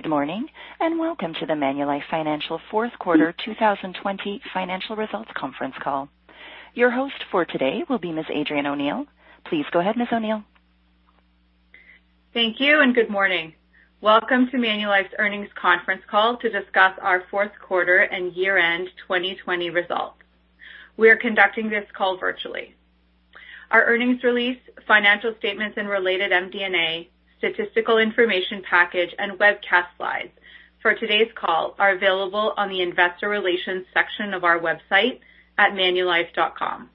Good morning and welcome to the Manulife Financial Fourth Quarter 2020 Financial Results Conference Call. Your host for today will be Ms. Adrienne O'Neill. Please go ahead, Ms. O'Neill. Thank you and good morning. Welcome to Manulife's earnings conference call to discuss our Fourth Quarter and Year-End 2020 results. We are conducting this call virtually. Our earnings release, financial statements, and related MD&A statistical information package and webcast slides for today's call are available on the Investor Relations section of our website at manulife.com.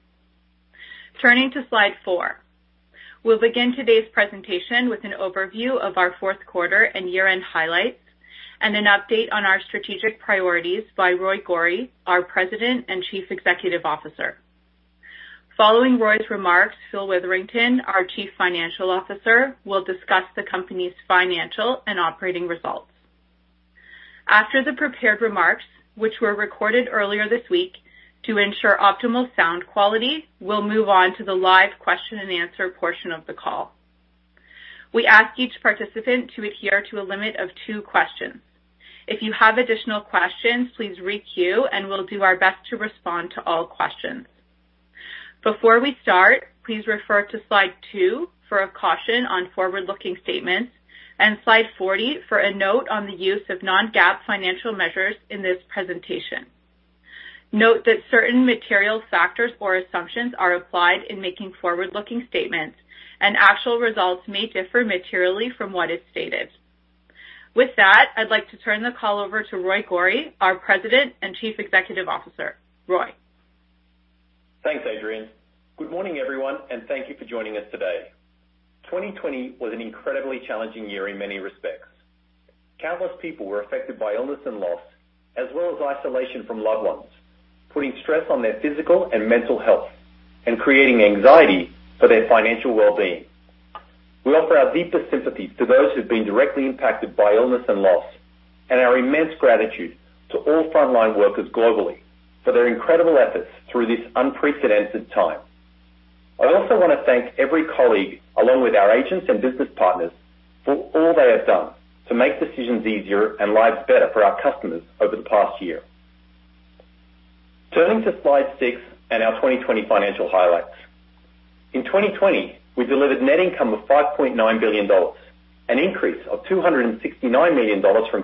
Turning to slide four, we will begin today's presentation with an overview of our Fourth Quarter and Year-End highlights and an update on our strategic priorities by Roy Gori, our President and Chief Executive Officer. Following Roy's remarks, Phil Witherington, our Chief Financial Officer, will discuss the company's financial and operating results. After the prepared remarks, which were recorded earlier this week to ensure optimal sound quality, we will move on to the live question and answer portion of the call. We ask each participant to adhere to a limit of two questions. If you have additional questions, please re-queue and we'll do our best to respond to all questions. Before we start, please refer to slide two for a caution on forward-looking statements and slide 40 for a note on the use of non-GAAP financial measures in this presentation. Note that certain material factors or assumptions are applied in making forward-looking statements and actual results may differ materially from what is stated. With that, I'd like to turn the call over to Roy Gori, our President and Chief Executive Officer. Roy. Thanks, Adrienne. Good morning, everyone, and thank you for joining us today. 2020 was an incredibly challenging year in many respects. Countless people were affected by illness and loss, as well as isolation from loved ones, putting stress on their physical and mental health and creating anxiety for their financial well-being. We offer our deepest sympathies to those who've been directly impacted by illness and loss and our immense gratitude to all frontline workers globally for their incredible efforts through this unprecedented time. I also want to thank every colleague, along with our agents and business partners, for all they have done to make decisions easier and lives better for our customers over the past year. Turning to slide six and our 2020 financial highlights. In 2020, we delivered net income of $5.9 billion, an increase of $269 million from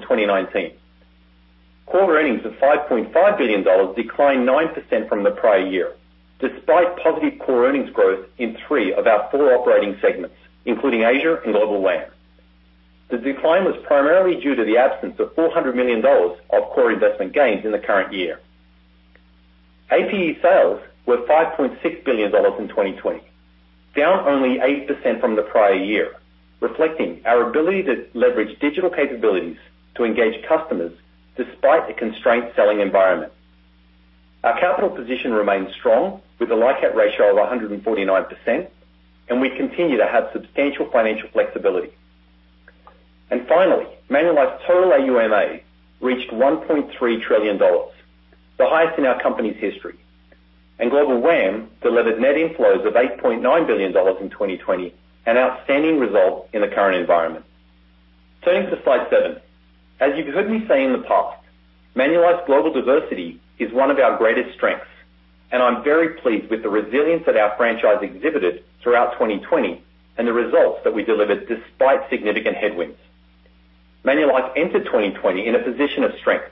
2019.Core earnings of $5.5 billion declined 9% from the prior year, despite positive core earnings growth in three of our four operating segments, including Asia and Global Wealth and Asset Management. The decline was primarily due to the absence of $400 million of core investment gains in the current year. APE sales were $5.6 billion in 2020, down only 8% from the prior year, reflecting our ability to leverage digital capabilities to engage customers despite a constrained selling environment. Our capital position remained strong with a LICAT ratio of 149%, and we continue to have substantial financial flexibility. Manulife's total AUMA reached $1.3 trillion, the highest in our company's history, and Global Wealth and Asset Management delivered net inflows of $8.9 billion in 2020, an outstanding result in the current environment. Turning to slide seven, as you've heard me say in the past, Manulife's global diversity is one of our greatest strengths, and I'm very pleased with the resilience that our franchise exhibited throughout 2020 and the results that we delivered despite significant headwinds. Manulife entered 2020 in a position of strength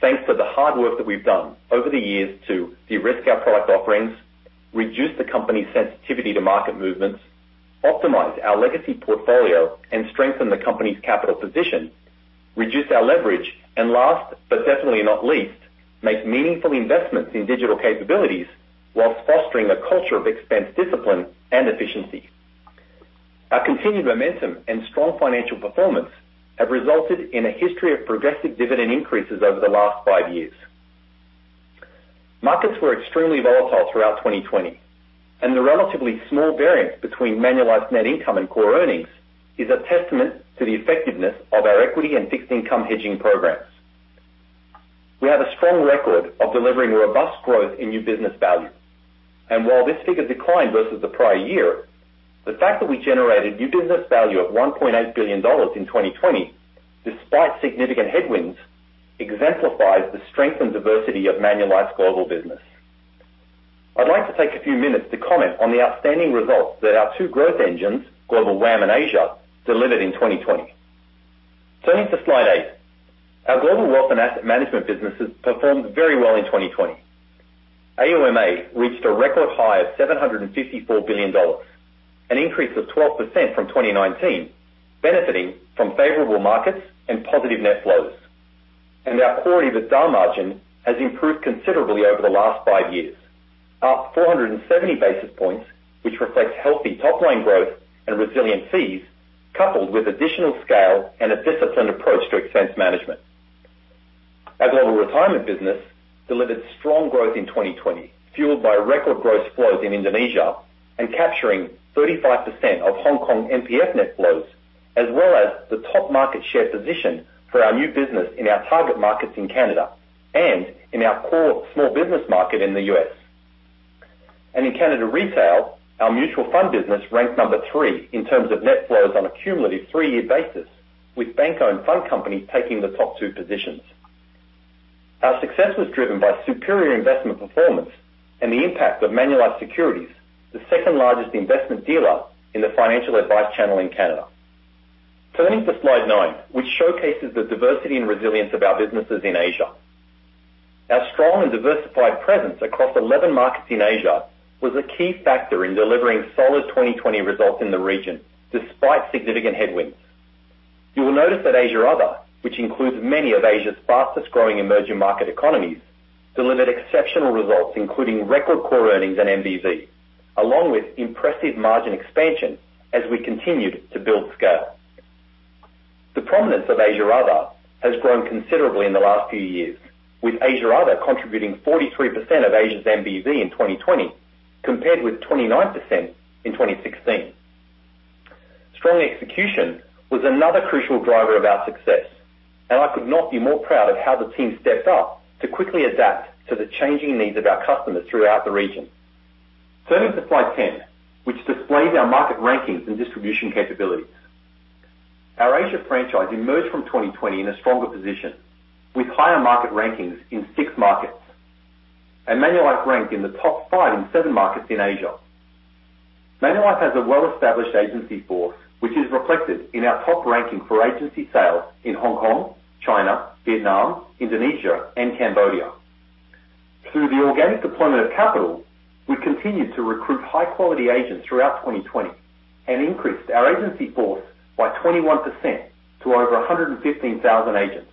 thanks to the hard work that we've done over the years to de-risk our product offerings, reduce the company's sensitivity to market movements, optimize our legacy portfolio, and strengthen the company's capital position, reduce our leverage, and last but definitely not least, make meaningful investments in digital capabilities whilst fostering a culture of expense discipline and efficiency. Our continued momentum and strong financial performance have resulted in a history of progressive dividend increases over the last five years. Markets were extremely volatile throughout 2020, and the relatively small variance between Manulife's net income and core earnings is a testament to the effectiveness of our equity and fixed income hedging programs. We have a strong record of delivering robust growth in new business value, and while this figure declined versus the prior year, the fact that we generated new business value of $1.8 billion in 2020, despite significant headwinds, exemplifies the strength and diversity of Manulife's global business. I'd like to take a few minutes to comment on the outstanding results that our two growth engines, Global WAM and Asia, delivered in 2020. Turning to slide eight, our global wealth and asset management businesses performed very well in 2020.AUMA reached a record high of $754 billion, an increase of 12% from 2019, benefiting from favorable markets and positive net flows, and our quarter-to-quarter margin has improved considerably over the last five years, up 470 basis points, which reflects healthy top-line growth and resilient fees, coupled with additional scale and a disciplined approach to expense management. Our global retirement business delivered strong growth in 2020, fueled by record growth flows in Indonesia and capturing 35% of Hong Kong NPF net flows, as well as the top market share position for our new business in our target markets in Canada and in our core small business market in the US. In Canada retail, our mutual fund business ranked number three in terms of net flows on a cumulative three-year basis, with bank-owned fund companies taking the top two positions. Our success was driven by superior investment performance and the impact of Manulife Securities, the second largest investment dealer in the financial advice channel in Canada. Turning to slide nine, which showcases the diversity and resilience of our businesses in Asia. Our strong and diversified presence across 11 markets in Asia was a key factor in delivering solid 2020 results in the region despite significant headwinds. You will notice that Asia Other, which includes many of Asia's fastest-growing emerging market economies, delivered exceptional results, including record core earnings and MVV, along with impressive margin expansion as we continued to build scale. The prominence of Asia Other has grown considerably in the last few years, with Asia Other contributing 43% of Asia's MVV in 2020, compared with 29% in 2016.Strong execution was another crucial driver of our success, and I could not be more proud of how the team stepped up to quickly adapt to the changing needs of our customers throughout the region. Turning to slide ten, which displays our market rankings and distribution capabilities. Our Asia franchise emerged from 2020 in a stronger position, with higher market rankings in six markets, and Manulife ranked in the top five in seven markets in Asia. Manulife has a well-established agency force, which is reflected in our top ranking for agency sales in Hong Kong, China, Vietnam, Indonesia, and Cambodia. Through the organic deployment of capital, we continued to recruit high-quality agents throughout 2020 and increased our agency force by 21% to over 115,000 agents.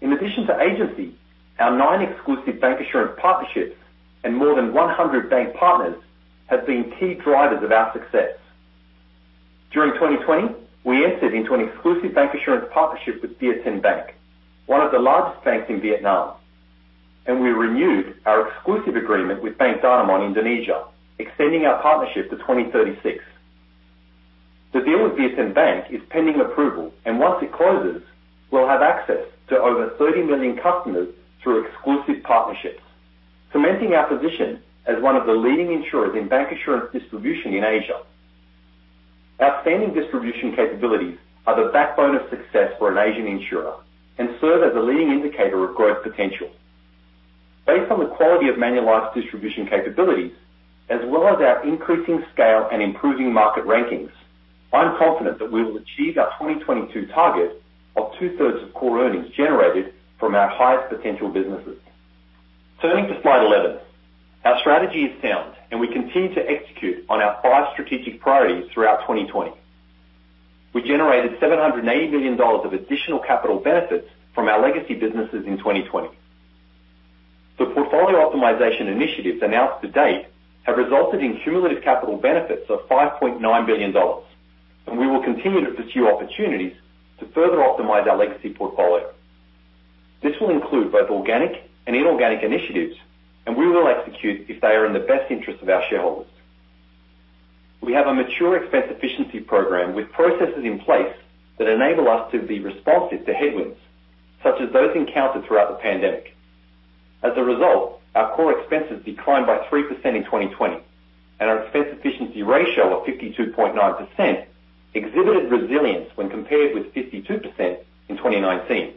In addition to agency, our nine exclusive bancassurance partnerships and more than 100 bank partners have been key drivers of our success. During 2020, we entered into an exclusive bancassurance partnership with VietinBank, one of the largest banks in Vietnam, and we renewed our exclusive agreement with Bank Danamon Indonesia, extending our partnership to 2036. The deal with VietinBank is pending approval, and once it closes, we'll have access to over 30 million customers through exclusive partnerships, cementing our position as one of the leading insurers in bancassurance distribution in Asia. Outstanding distribution capabilities are the backbone of success for an Asian insurer and serve as a leading indicator of growth potential. Based on the quality of Manulife's distribution capabilities, as well as our increasing scale and improving market rankings, I'm confident that we will achieve our 2022 target of two-thirds of core earnings generated from our highest potential businesses. Turning to slide eleven, our strategy is sound, and we continue to execute on our five strategic priorities throughout 2020.We generated $780 million of additional capital benefits from our legacy businesses in 2020. The portfolio optimization initiatives announced to date have resulted in cumulative capital benefits of $5.9 billion, and we will continue to pursue opportunities to further optimize our legacy portfolio. This will include both organic and inorganic initiatives, and we will execute if they are in the best interest of our shareholders. We have a mature expense efficiency program with processes in place that enable us to be responsive to headwinds, such as those encountered throughout the pandemic. As a result, our core expenses declined by 3% in 2020, and our expense efficiency ratio of 52.9% exhibited resilience when compared with 52% in 2019.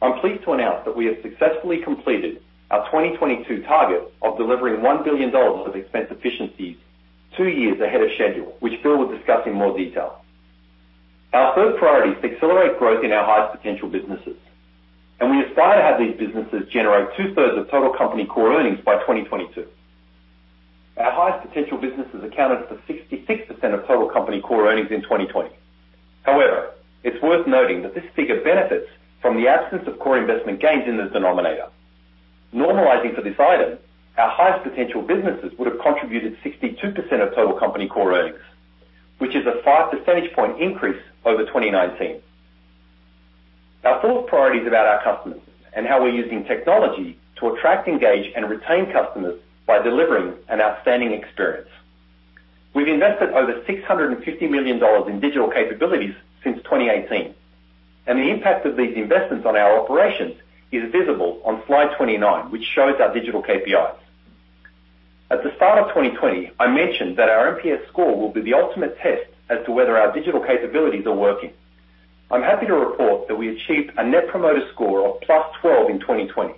I'm pleased to announce that we have successfully completed our 2022 target of delivering $1 billion of expense efficiencies two years ahead of schedule, which Phil will discuss in more detail. Our first priority is to accelerate growth in our highest potential businesses, and we aspire to have these businesses generate two-thirds of total company core earnings by 2022. Our highest potential businesses accounted for 66% of total company core earnings in 2020. However, it's worth noting that this figure benefits from the absence of core investment gains in the denominator. Normalizing for this item, our highest potential businesses would have contributed 62% of total company core earnings, which is a five percentage point increase over 2019. Our fourth priority is about our customers and how we're using technology to attract, engage, and retain customers by delivering an outstanding experience. We've invested over $650 million in digital capabilities since 2018, and the impact of these investments on our operations is visible on slide 29, which shows our digital KPIs.At the start of 2020, I mentioned that our NPS score will be the ultimate test as to whether our digital capabilities are working. I'm happy to report that we achieved a net promoter score of plus 12 in 2020,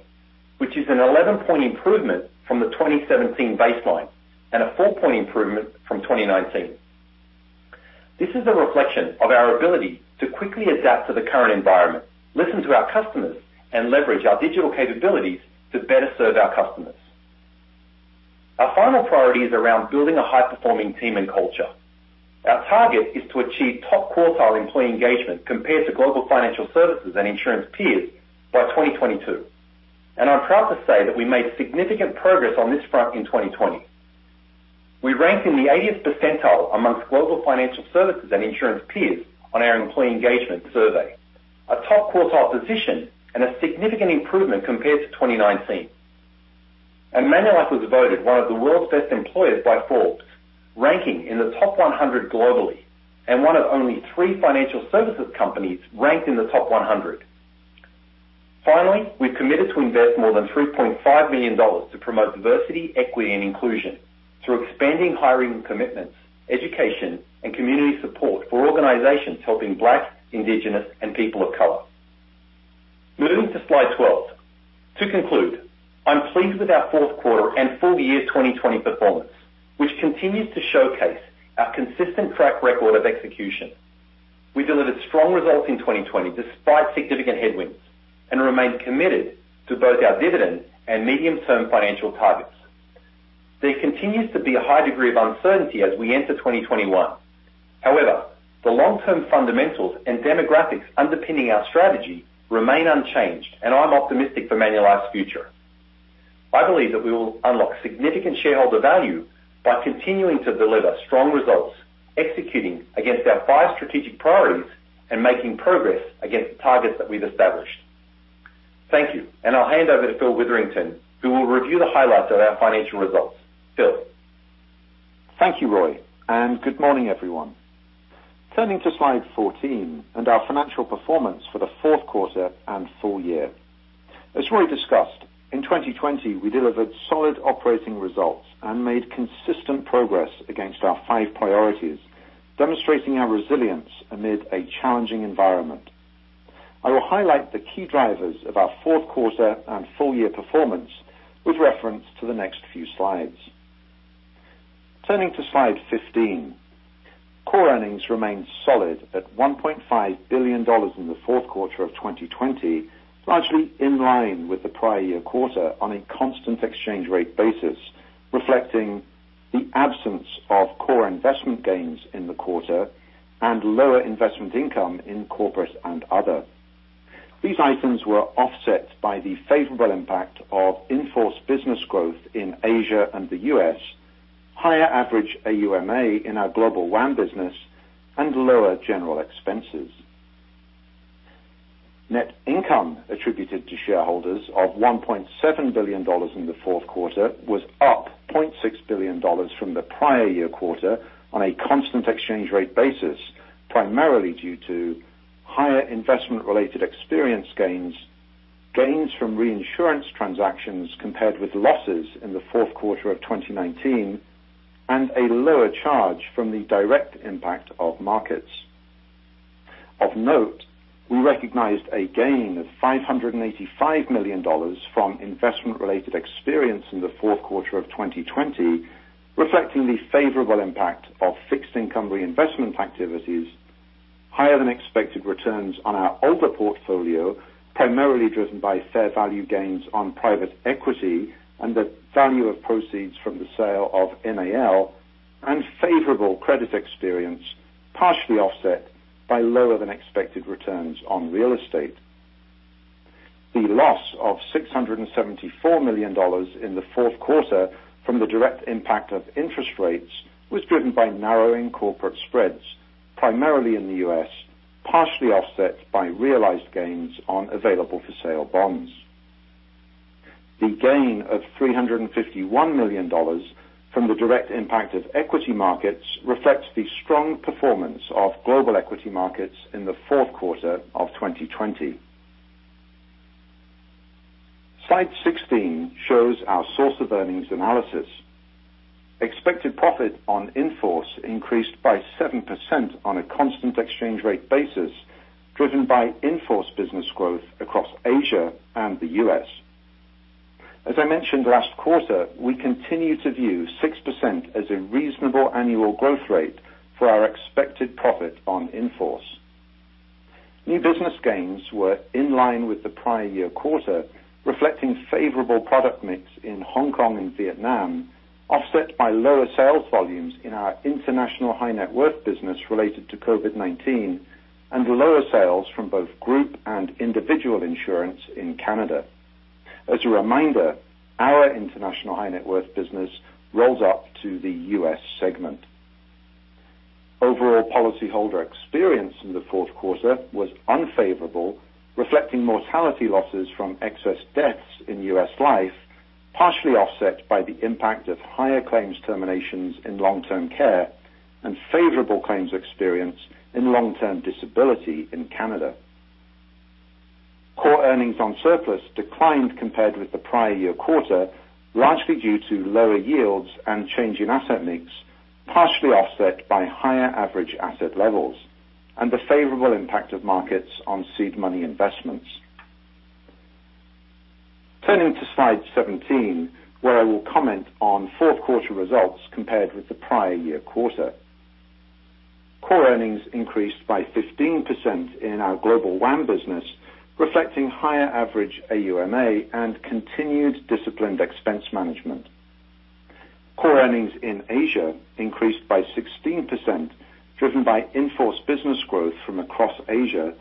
which is an 11 point improvement from the 2017 baseline and a 4 point improvement from 2019. This is a reflection of our ability to quickly adapt to the current environment, listen to our customers, and leverage our digital capabilities to better serve our customers. Our final priority is around building a high-performing team and culture. Our target is to achieve top quartile employee engagement compared to global financial services and insurance peers by 2022, and I'm proud to say that we made significant progress on this front in 2020.We ranked in the 80th percentile amongst global financial services and insurance peers on our employee engagement survey, a top quartile position, and a significant improvement compared to 2019. Manulife was voted one of the world's best employers by Forbes, ranking in the top 100 globally, and one of only three financial services companies ranked in the top 100. Finally, we've committed to invest more than $3.5 million to promote diversity, equity, and inclusion through expanding hiring commitments, education, and community support for organizations helping Black, Indigenous, and people of color. Moving to slide 12. To conclude, I'm pleased with our fourth quarter and full year 2020 performance, which continues to showcase our consistent track record of execution. We delivered strong results in 2020 despite significant headwinds and remained committed to both our dividend and medium-term financial targets. There continues to be a high degree of uncertainty as we enter 2021. However, the long-term fundamentals and demographics underpinning our strategy remain unchanged, and I'm optimistic for Manulife's future. I believe that we will unlock significant shareholder value by continuing to deliver strong results, executing against our five strategic priorities, and making progress against the targets that we've established. Thank you, and I'll hand over to Phil Witherington, who will review the highlights of our financial results. Phil. Thank you, Roy, and good morning, everyone. Turning to slide 14 and our financial performance for the fourth quarter and full year. As Roy discussed, in 2020, we delivered solid operating results and made consistent progress against our five priorities, demonstrating our resilience amid a challenging environment. I will highlight the key drivers of our fourth quarter and full year performance with reference to the next few slides. Turning to slide 15, core earnings remained solid at $1.5 billion in the fourth quarter of 2020, largely in line with the prior year quarter on a constant exchange rate basis, reflecting the absence of core investment gains in the quarter and lower investment income in Corporate and Other. These items were offset by the favorable impact of inforce business growth in Asia and the US, higher average AUMA in our global WAM business, and lower general expenses. Net income attributed to shareholders of $1.7 billion in the fourth quarter was up $0.6 billion from the prior year quarter on a constant exchange rate basis, primarily due to higher investment-related experience gains, gains from reinsurance transactions compared with losses in the fourth quarter of 2019, and a lower charge from the direct impact of markets. Of note, we recognized a gain of $585 million from investment-related experience in the fourth quarter of 2020, reflecting the favorable impact of fixed income reinvestment activities, higher than expected returns on our older portfolio, primarily driven by fair value gains on private equity and the value of proceeds from the sale of NAL, and favorable credit experience, partially offset by lower than expected returns on real estate. The loss of $674 million in the fourth quarter from the direct impact of interest rates was driven by narrowing corporate spreads, primarily in the U.S., partially offset by realized gains on available-for-sale bonds. The gain of $351 million from the direct impact of equity markets reflects the strong performance of global equity markets in the fourth quarter of 2020. Slide 16 shows our source of earnings analysis. Expected profit on inforce increased by 7% on a constant exchange rate basis, driven by inforce business growth across Asia and the US. As I mentioned last quarter, we continue to view 6% as a reasonable annual growth rate for our expected profit on inforce. New business gains were in line with the prior year quarter, reflecting favorable product mix in Hong Kong and Vietnam, offset by lower sales volumes in our international high-net-worth business related to COVID-19 and lower sales from both group and individual insurance in Canada. As a reminder, our international high-net-worth business rolls up to the US segment. Overall policyholder experience in the fourth quarter was unfavorable, reflecting mortality losses from excess deaths in US life, partially offset by the impact of higher claims terminations in long-term care and favorable claims experience in long-term disability in Canada. Core earnings on surplus declined compared with the prior year quarter, largely due to lower yields and change in asset mix, partially offset by higher average asset levels and the favorable impact of markets on seed money investments. Turning to slide 17, where I will comment on fourth quarter results compared with the prior year quarter. Core earnings increased by 15% in our global WAM business, reflecting higher average AUMA and continued disciplined expense management. Core earnings in Asia increased by 16%, driven by inforce business growth from across Asia,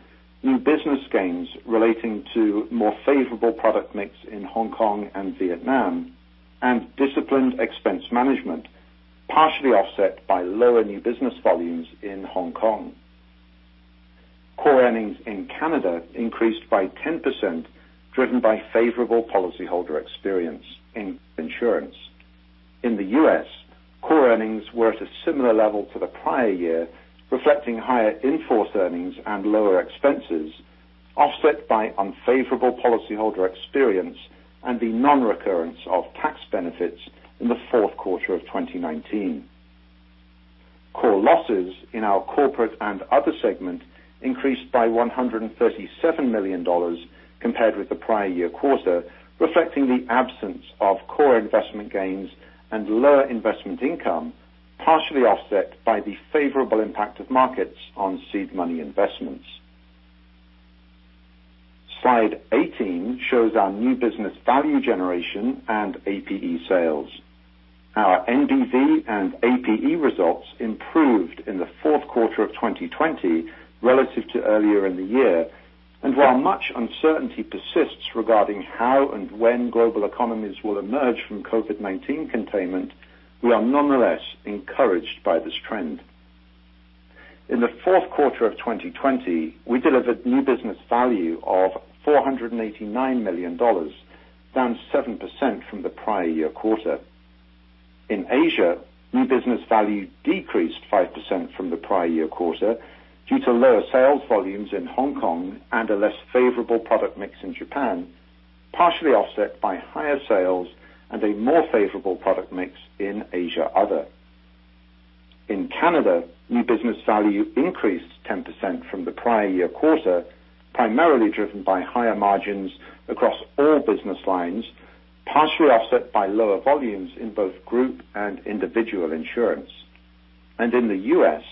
new business gains relating to more favorable product mix in Hong Kong and Vietnam, and disciplined expense management, partially offset by lower new business volumes in Hong Kong. Core earnings in Canada increased by 10%, driven by favorable policyholder experience in insurance. In the US, core earnings were at a similar level to the prior year, reflecting higher inforce earnings and lower expenses, offset by unfavorable policyholder experience and the non-recurrence of tax benefits in the fourth quarter of 2019. Core losses in our corporate and other segment increased by $137 million compared with the prior year quarter, reflecting the absence of core investment gains and lower investment income, partially offset by the favorable impact of markets on seed money investments. Slide 18 shows our new business value generation and APE sales. Our NBV and APE results improved in the fourth quarter of 2020 relative to earlier in the year, and while much uncertainty persists regarding how and when global economies will emerge from COVID-19 containment, we are nonetheless encouraged by this trend.In the fourth quarter of 2020, we delivered new business value of $489 million, down 7% from the prior year quarter. In Asia, new business value decreased 5% from the prior year quarter due to lower sales volumes in Hong Kong and a less favorable product mix in Japan, partially offset by higher sales and a more favorable product mix in Asia other. In Canada, new business value increased 10% from the prior year quarter, primarily driven by higher margins across all business lines, partially offset by lower volumes in both group and individual insurance. In the U.S.,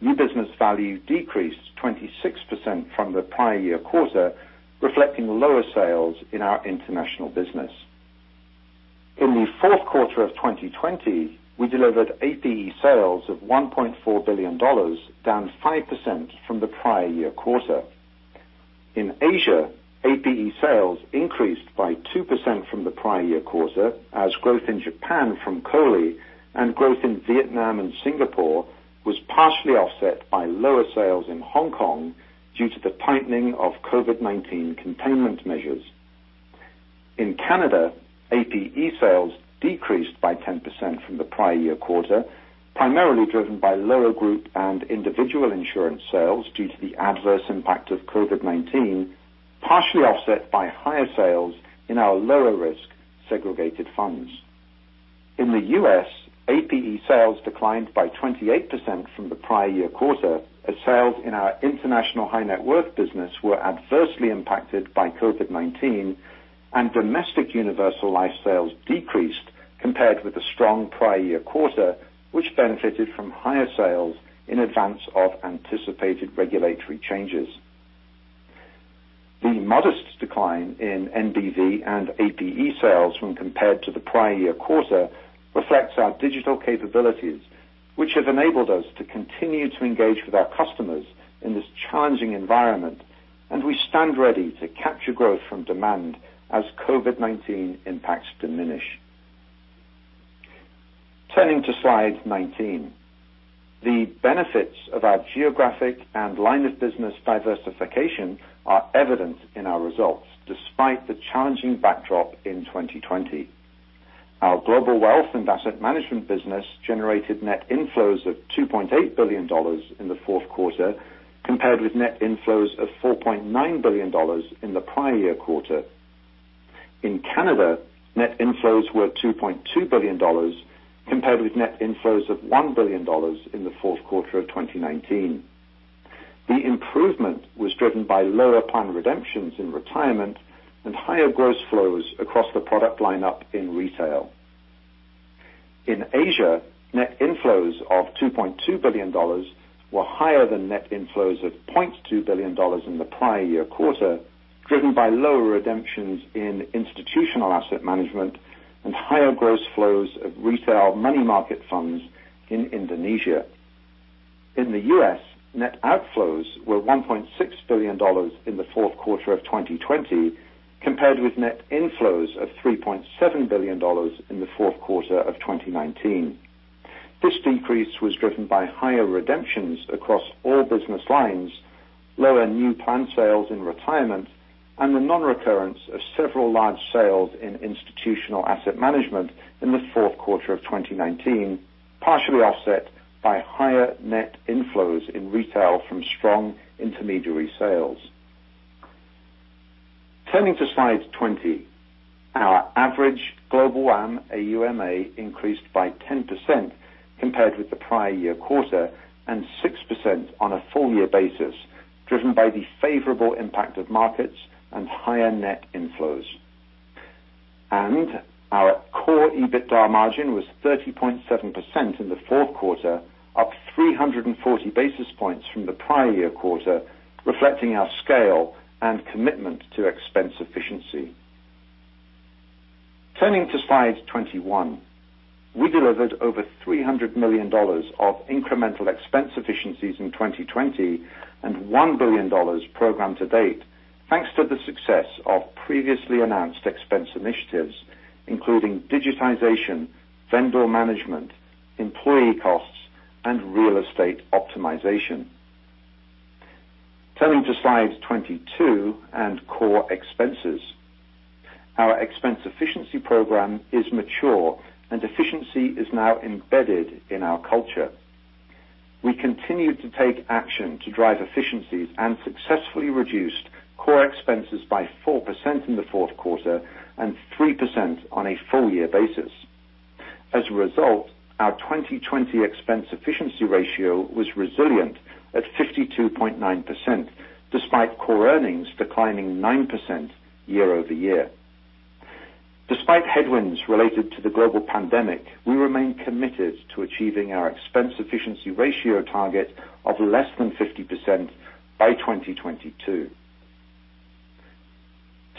new business value decreased 26% from the prior year quarter, reflecting lower sales in our international business. In the fourth quarter of 2020, we delivered APE sales of $1.4 billion, down 5% from the prior year quarter. In Asia, APE sales increased by 2% from the prior year quarter, as growth in Japan from Coli and growth in Vietnam and Singapore was partially offset by lower sales in Hong Kong due to the tightening of COVID-19 containment measures. In Canada, APE sales decreased by 10% from the prior year quarter, primarily driven by lower group and individual insurance sales due to the adverse impact of COVID-19, partially offset by higher sales in our lower-risk segregated funds. In the U.S., APE sales declined by 28% from the prior year quarter, as sales in our international high-net-worth business were adversely impacted by COVID-19, and domestic universal life sales decreased compared with the strong prior year quarter, which benefited from higher sales in advance of anticipated regulatory changes. The modest decline in NBV and APE sales when compared to the prior year quarter reflects our digital capabilities, which have enabled us to continue to engage with our customers in this challenging environment, and we stand ready to capture growth from demand as COVID-19 impacts diminish. Turning to slide 19, the benefits of our geographic and line of business diversification are evident in our results despite the challenging backdrop in 2020. Our global wealth and asset management business generated net inflows of $2.8 billion in the fourth quarter compared with net inflows of $4.9 billion in the prior year quarter. In Canada, net inflows were $2.2 billion compared with net inflows of $1 billion in the fourth quarter of 2019. The improvement was driven by lower plan redemptions in retirement and higher gross flows across the product lineup in retail. In Asia, net inflows of $2.2 billion were higher than net inflows of $0.2 billion in the prior year quarter, driven by lower redemptions in institutional asset management and higher gross flows of retail money market funds in Indonesia. In the U.S., net outflows were $1.6 billion in the fourth quarter of 2020 compared with net inflows of $3.7 billion in the fourth quarter of 2019. This decrease was driven by higher redemptions across all business lines, lower new plan sales in retirement, and the non-recurrence of several large sales in institutional asset management in the fourth quarter of 2019, partially offset by higher net inflows in retail from strong intermediary sales. Turning to slide 20, our average global WAM AUMA increased by 10% compared with the prior year quarter and 6% on a full year basis, driven by the favorable impact of markets and higher net inflows. Our core EBITDA margin was 30.7% in the fourth quarter, up 340 basis points from the prior year quarter, reflecting our scale and commitment to expense efficiency. Turning to slide 21, we delivered over $300 million of incremental expense efficiencies in 2020 and $1 billion programmed to date, thanks to the success of previously announced expense initiatives, including digitization, vendor management, employee costs, and real estate optimization. Turning to slide 22 and core expenses, our expense efficiency program is mature, and efficiency is now embedded in our culture. We continue to take action to drive efficiencies and successfully reduced core expenses by 4% in the fourth quarter and 3% on a full year basis. As a result, our 2020 expense efficiency ratio was resilient at 52.9%, despite core earnings declining 9% year-over-year. Despite headwinds related to the global pandemic, we remain committed to achieving our expense efficiency ratio target of less than 50% by 2022.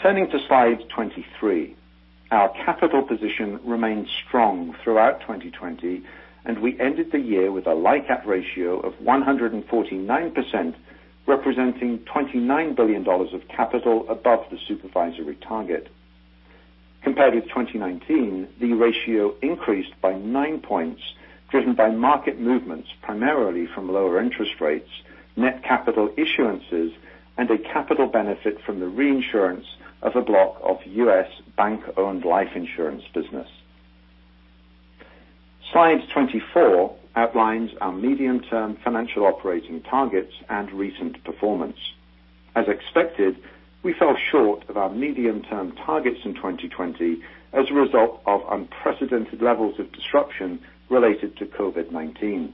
Turning to slide 23, our capital position remained strong throughout 2020, and we ended the year with a LICAT ratio of 149%, representing $29 billion of capital above the supervisory target. Compared with 2019, the ratio increased by 9 points, driven by market movements primarily from lower interest rates, net capital issuances, and a capital benefit from the reinsurance of a block of US bank-owned life insurance business. Slide 24 outlines our medium-term financial operating targets and recent performance. As expected, we fell short of our medium-term targets in 2020 as a result of unprecedented levels of disruption related to COVID-19.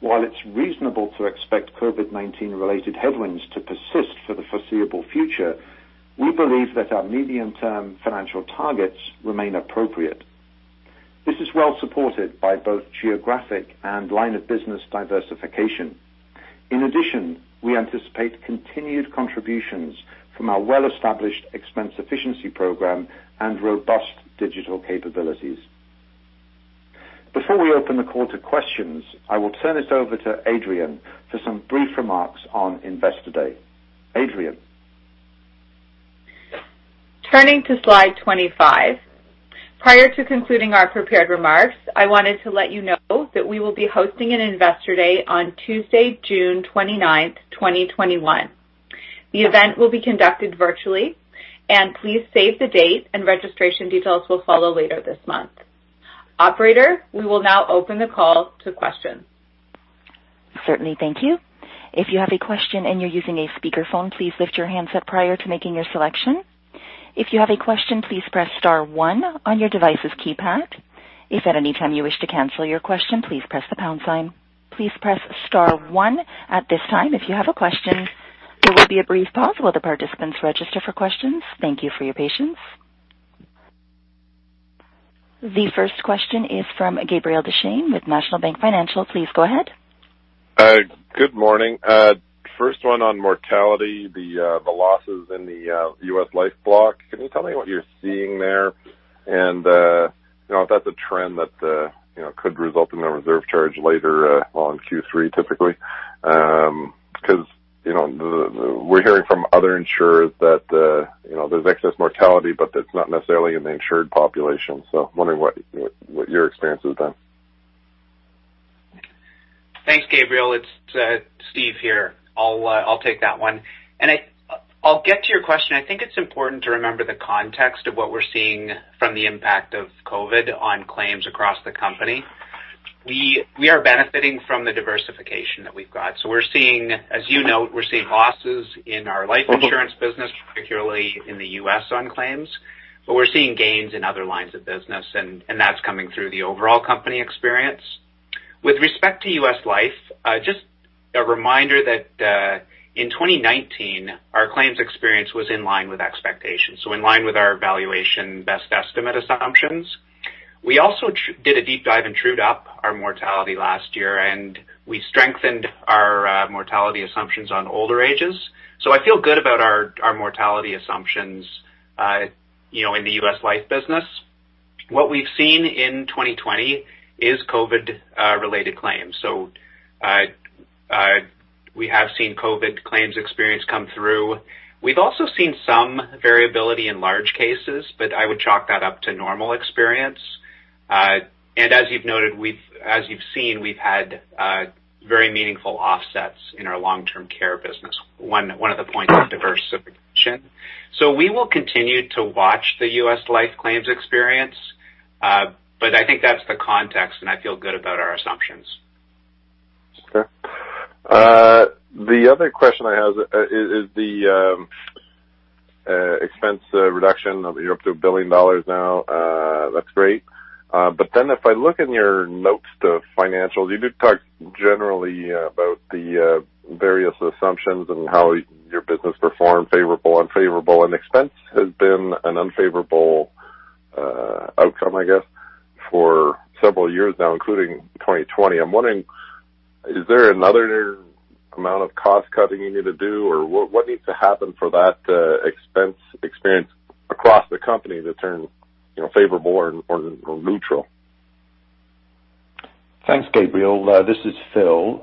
While it's reasonable to expect COVID-19-related headwinds to persist for the foreseeable future, we believe that our medium-term financial targets remain appropriate. This is well supported by both geographic and line of business diversification. In addition, we anticipate continued contributions from our well-established expense efficiency program and robust digital capabilities. Before we open the call to questions, I will turn this over to Adrienne for some brief remarks on Investor Day.Adrienne. Turning to slide 25, prior to concluding our prepared remarks, I wanted to let you know that we will be hosting an Investor Day on Tuesday, June 29, 2021. The event will be conducted virtually, and please save the date, and registration details will follow later this month. Operator, we will now open the call to questions. Certainly, thank you. If you have a question and you're using a speakerphone, please lift your hands up prior to making your selection. If you have a question, please press star one on your device's keypad. If at any time you wish to cancel your question, please press the pound sign. Please press star one at this time. If you have a question, there will be a brief pause while the participants register for questions. Thank you for your patience. The first question is from Gabriel Dechaine with National Bank of Canada. Please go ahead. Good morning. First one on mortality, the losses in the U.S. life block. Can you tell me what you're seeing there? That's a trend that could result in a reserve charge later on Q3, typically, because we're hearing from other insurers that there's excess mortality, but it's not necessarily in the insured population. So wondering what your experience has been. Thanks, Gabriel. It's Steve here. I'll take that one. I'll get to your question.I think it's important to remember the context of what we're seeing from the impact of COVID on claims across the company. We are benefiting from the diversification that we've got. As you note, we're seeing losses in our life insurance business, particularly in the US on claims, but we're seeing gains in other lines of business, and that's coming through the overall company experience. With respect to US life, just a reminder that in 2019, our claims experience was in line with expectations, in line with our evaluation best estimate assumptions. We also did a deep dive and trued up our mortality last year, and we strengthened our mortality assumptions on older ages. I feel good about our mortality assumptions in the US life business. What we've seen in 2020 is COVID-related claims. We have seen COVID claims experience come through. We've also seen some variability in large cases, but I would chalk that up to normal experience. As you've noted, as you've seen, we've had very meaningful offsets in our long-term care business, one of the points of diversification. We will continue to watch the US life claims experience, but I think that's the context, and I feel good about our assumptions. Okay. The other question I have is the expense reduction of you're up to $1 billion now. That's great. If I look in your notes to financials, you do talk generally about the various assumptions and how your business performed favorable, unfavorable, and expense has been an unfavorable outcome, for several years now, including 2020.I'm wondering, is there another amount of cost cutting you need to do, or what needs to happen for that expense experience across the company to turn favorable or neutral? Thanks, Gabriel. This is Phil.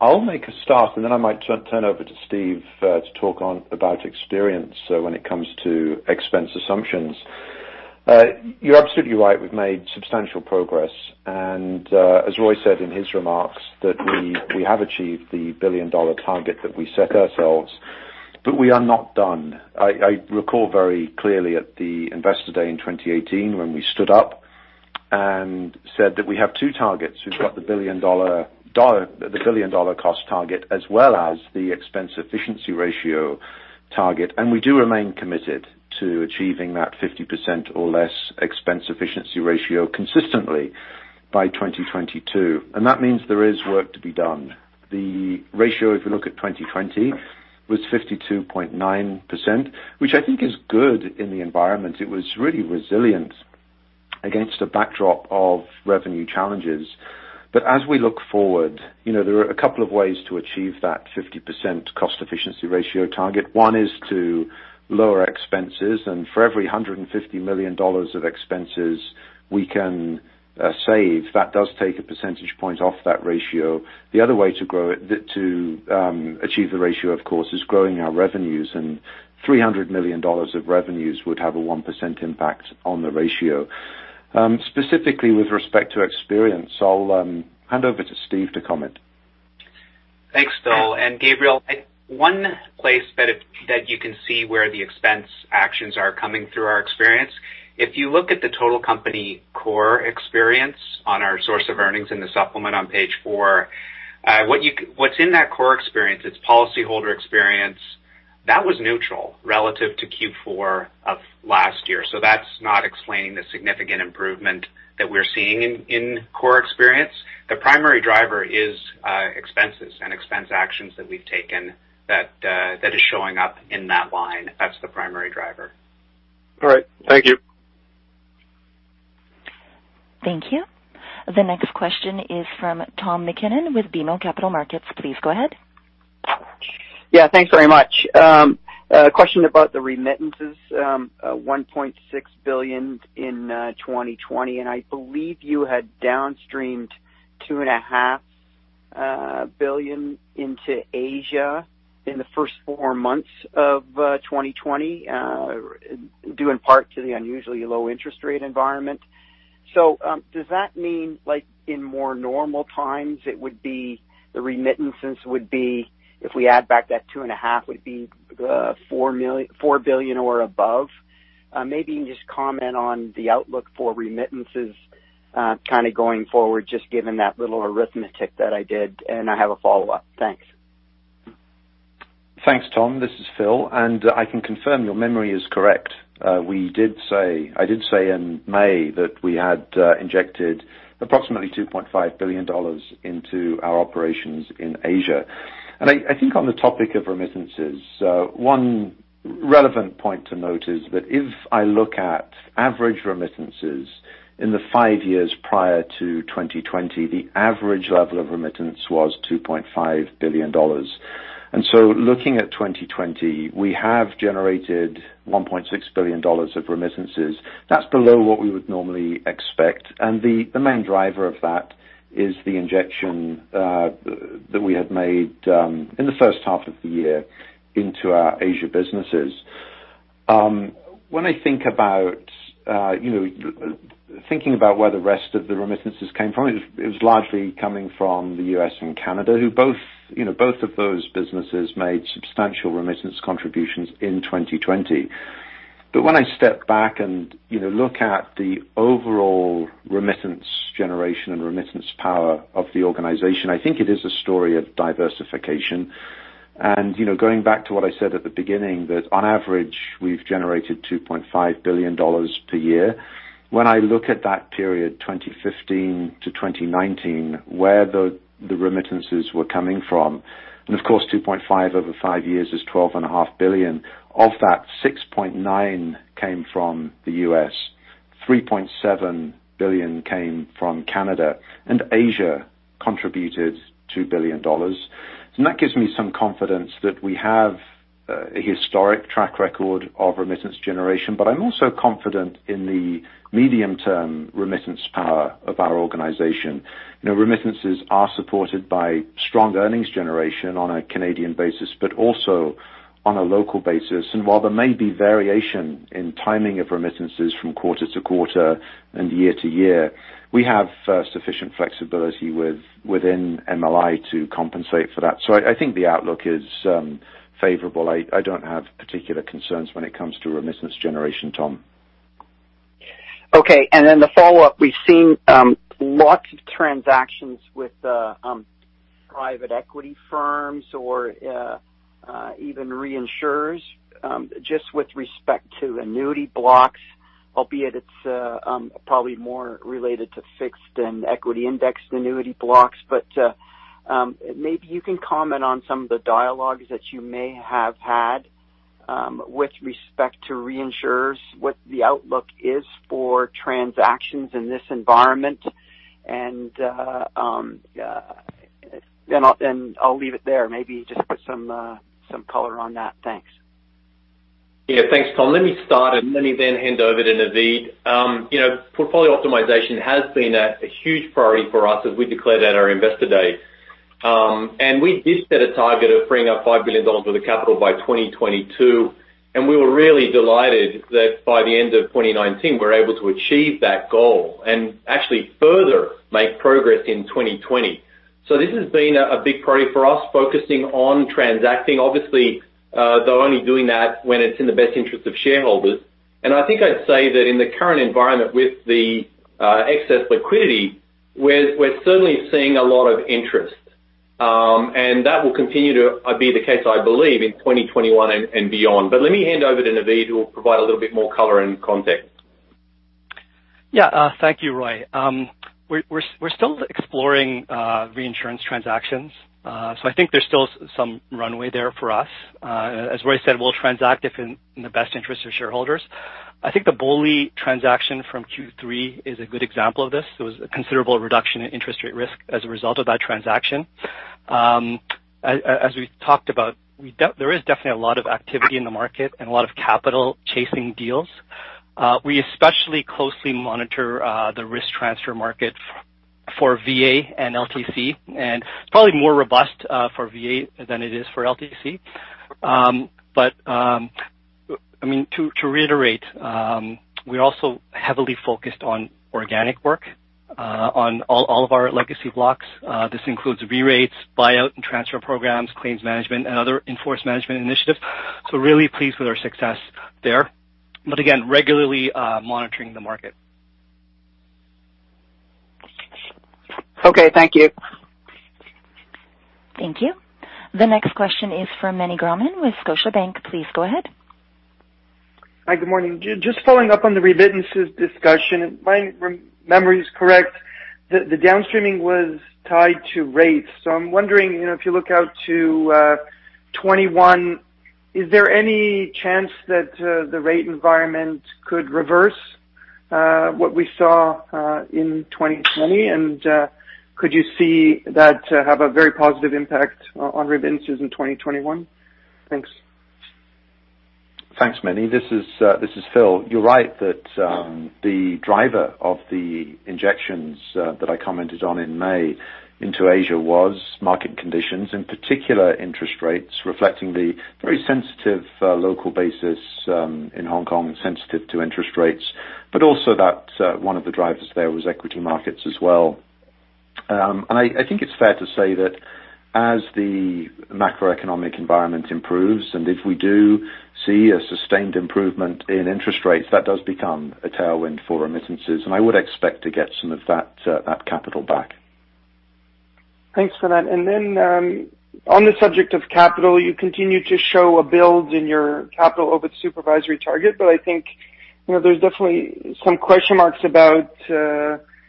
I'll make a start, and then I might turn over to Steve to talk about experience when it comes to expense assumptions. You're absolutely right. We've made substantial progress. As Roy said in his remarks, we have achieved the billion-dollar target that we set ourselves, but we are not done. I recall very clearly at the Investor Day in 2018 when we stood up and said that we have two targets. We've got the billion-dollar cost target as well as the expense efficiency ratio target. We do remain committed to achieving that 50% or less expense efficiency ratio consistently by 2022. That means there is work to be done. The ratio, if you look at 2020, was 52.9%, which I think is good in the environment. It was really resilient against a backdrop of revenue challenges. As we look forward, there are a couple of ways to achieve that 50% cost efficiency ratio target. One is to lower expenses. For every $150 million of expenses we can save, that does take a percentage point off that ratio. The other way to achieve the ratio, of course, is growing our revenues. $300 million of revenues would have a 1% impact on the ratio. Specifically, with respect to experience, I'll hand over to Steve to comment. Thanks, Phil and Gabriel, one place that you can see where the expense actions are coming through our experience, if you look at the total company core experience on our source of earnings in the supplement on page four, what's in that core experience, its policyholder experience, that was neutral relative to Q4 of last year. That is not explaining the significant improvement that we're seeing in core experience. The primary driver is expenses and expense actions that we've taken that is showing up in that line. That's the primary driver. All right. Thank you. Thank you. The next question is from Tom McKinnon with BMO Capital Markets. Please go ahead. Yeah. Thanks very much. A question about the remittances, $1.6 billion in 2020. And I believe you had downstreamed $2.5 billion into Asia in the first four months of 2020, due in part to the unusually low interest rate environment. Does that mean in more normal times, the remittances would be, if we add back that $2.5 billion, would be $4 billion or above? Maybe you can just comment on the outlook for remittances going forward, just given that little arithmetic that I did. I have a follow-up. Thanks. Thanks, Tom. This is Phil. I can confirm your memory is correct. I did say in May that we had injected approximately $2.5 billion into our operations in Asia. I think on the topic of remittances, one relevant point to note is that if I look at average remittances in the five years prior to 2020, the average level of remittance was $2.5 billion. Looking at 2020, we have generated $1.6 billion of remittances. That's below what we would normally expect. The main driver of that is the injection that we had made in the first half of the year into our Asia businesses. When I think about where the rest of the remittances came from, it was largely coming from the U.S. and Canada, who both of those businesses made substantial remittance contributions in 2020. When I step back and look at the overall remittance generation and remittance power of the organization, I think it is a story of diversification. Going back to what I said at the beginning, that on average, we've generated $2.5 billion per year. When I look at that period, 2015 to 2019, where the remittances were coming from, and of course, $2.5 billion over five years is $12.5 billion. Of that, $6.9 billion came from the U.S., $3.7 billion came from Canada, and Asia contributed $2 billion. That gives me some confidence that we have a historic track record of remittance generation. I am also confident in the medium-term remittance power of our organization. Remittances are supported by strong earnings generation on a Canadian basis, but also on a local basis. While there may be variation in timing of remittances from quarter to quarter and year-to-year, we have sufficient flexibility within MLI to compensate for that. I think the outlook is favorable. I do not have particular concerns when it comes to remittance generation, Tom. Okay. The follow-up, we have seen lots of transactions with private equity firms or even reinsurers, just with respect to annuity blocks, albeit it is probably more related to fixed and equity indexed annuity blocks. Maybe you can comment on some of the dialogues that you may have had with respect to reinsurers, what the outlook is for transactions in this environment. I'll leave it there. Maybe just put some color on that. Thanks. Thanks, Tom. Let me start, and let me then hand over to Navdeep. Portfolio optimization has been a huge priority for us as we declared at our Investor day. We did set a target of freeing up $5 billion worth of capital by 2022.We were really delighted that by the end of 2019, we were able to achieve that goal and actually further make progress in 2020. This has been a big priority for us, focusing on transacting. Obviously, they're only doing that when it's in the best interest of shareholders. I think I'd say that in the current environment with the excess liquidity, we're certainly seeing a lot of interest. That will continue to be the case, I believe, in 2021 and beyond. Let me hand over to Navdeep, who will provide a little bit more color and context. Yeah. Thank you, Roy. We're still exploring reinsurance transactions. I think there's still some runway there for us. As Roy said, we'll transact in the best interest of shareholders. I think the bank-owned life insurance transaction from Q3 is a good example of this. There was a considerable reduction in interest rate risk as a result of that transaction. As we talked about, there is definitely a lot of activity in the market and a lot of capital chasing deals. We especially closely monitor the risk transfer market for variable annuities and long-term care insurance. It is probably more robust for VA than it is for LTC. To reiterate, we are also heavily focused on organic work on all of our legacy blocks. This includes re-rates, buyout and transfer programs, claims management, and other enforced management initiatives. Really pleased with our success there. Again, regularly monitoring the market. Okay. Thank you. Thank you. The next question is from Manny Gromman with Scotia Bank. Please go ahead. Hi. Good morning. Just following up on the remittances discussion. If my memory is correct, the downstreaming was tied to rates. I am wondering, if you look out to 2021, is there any chance that the rate environment could reverse what we saw in 2020? Could you see that have a very positive impact on remittances in 2021? Thanks. Thanks, Manny. This is Phil. You're right that the driver of the injections that I commented on in May into Asia was market conditions, in particular interest rates, reflecting the very sensitive local basis in Hong Kong, sensitive to interest rates. Also, one of the drivers there was equity markets as well. I think it's fair to say that as the macroeconomic environment improves, and if we do see a sustained improvement in interest rates, that does become a tailwind for remittances. I would expect to get some of that capital back. Thanks for that. On the subject of capital, you continue to show a build in your capital over the supervisory target. I think there's definitely some question marks about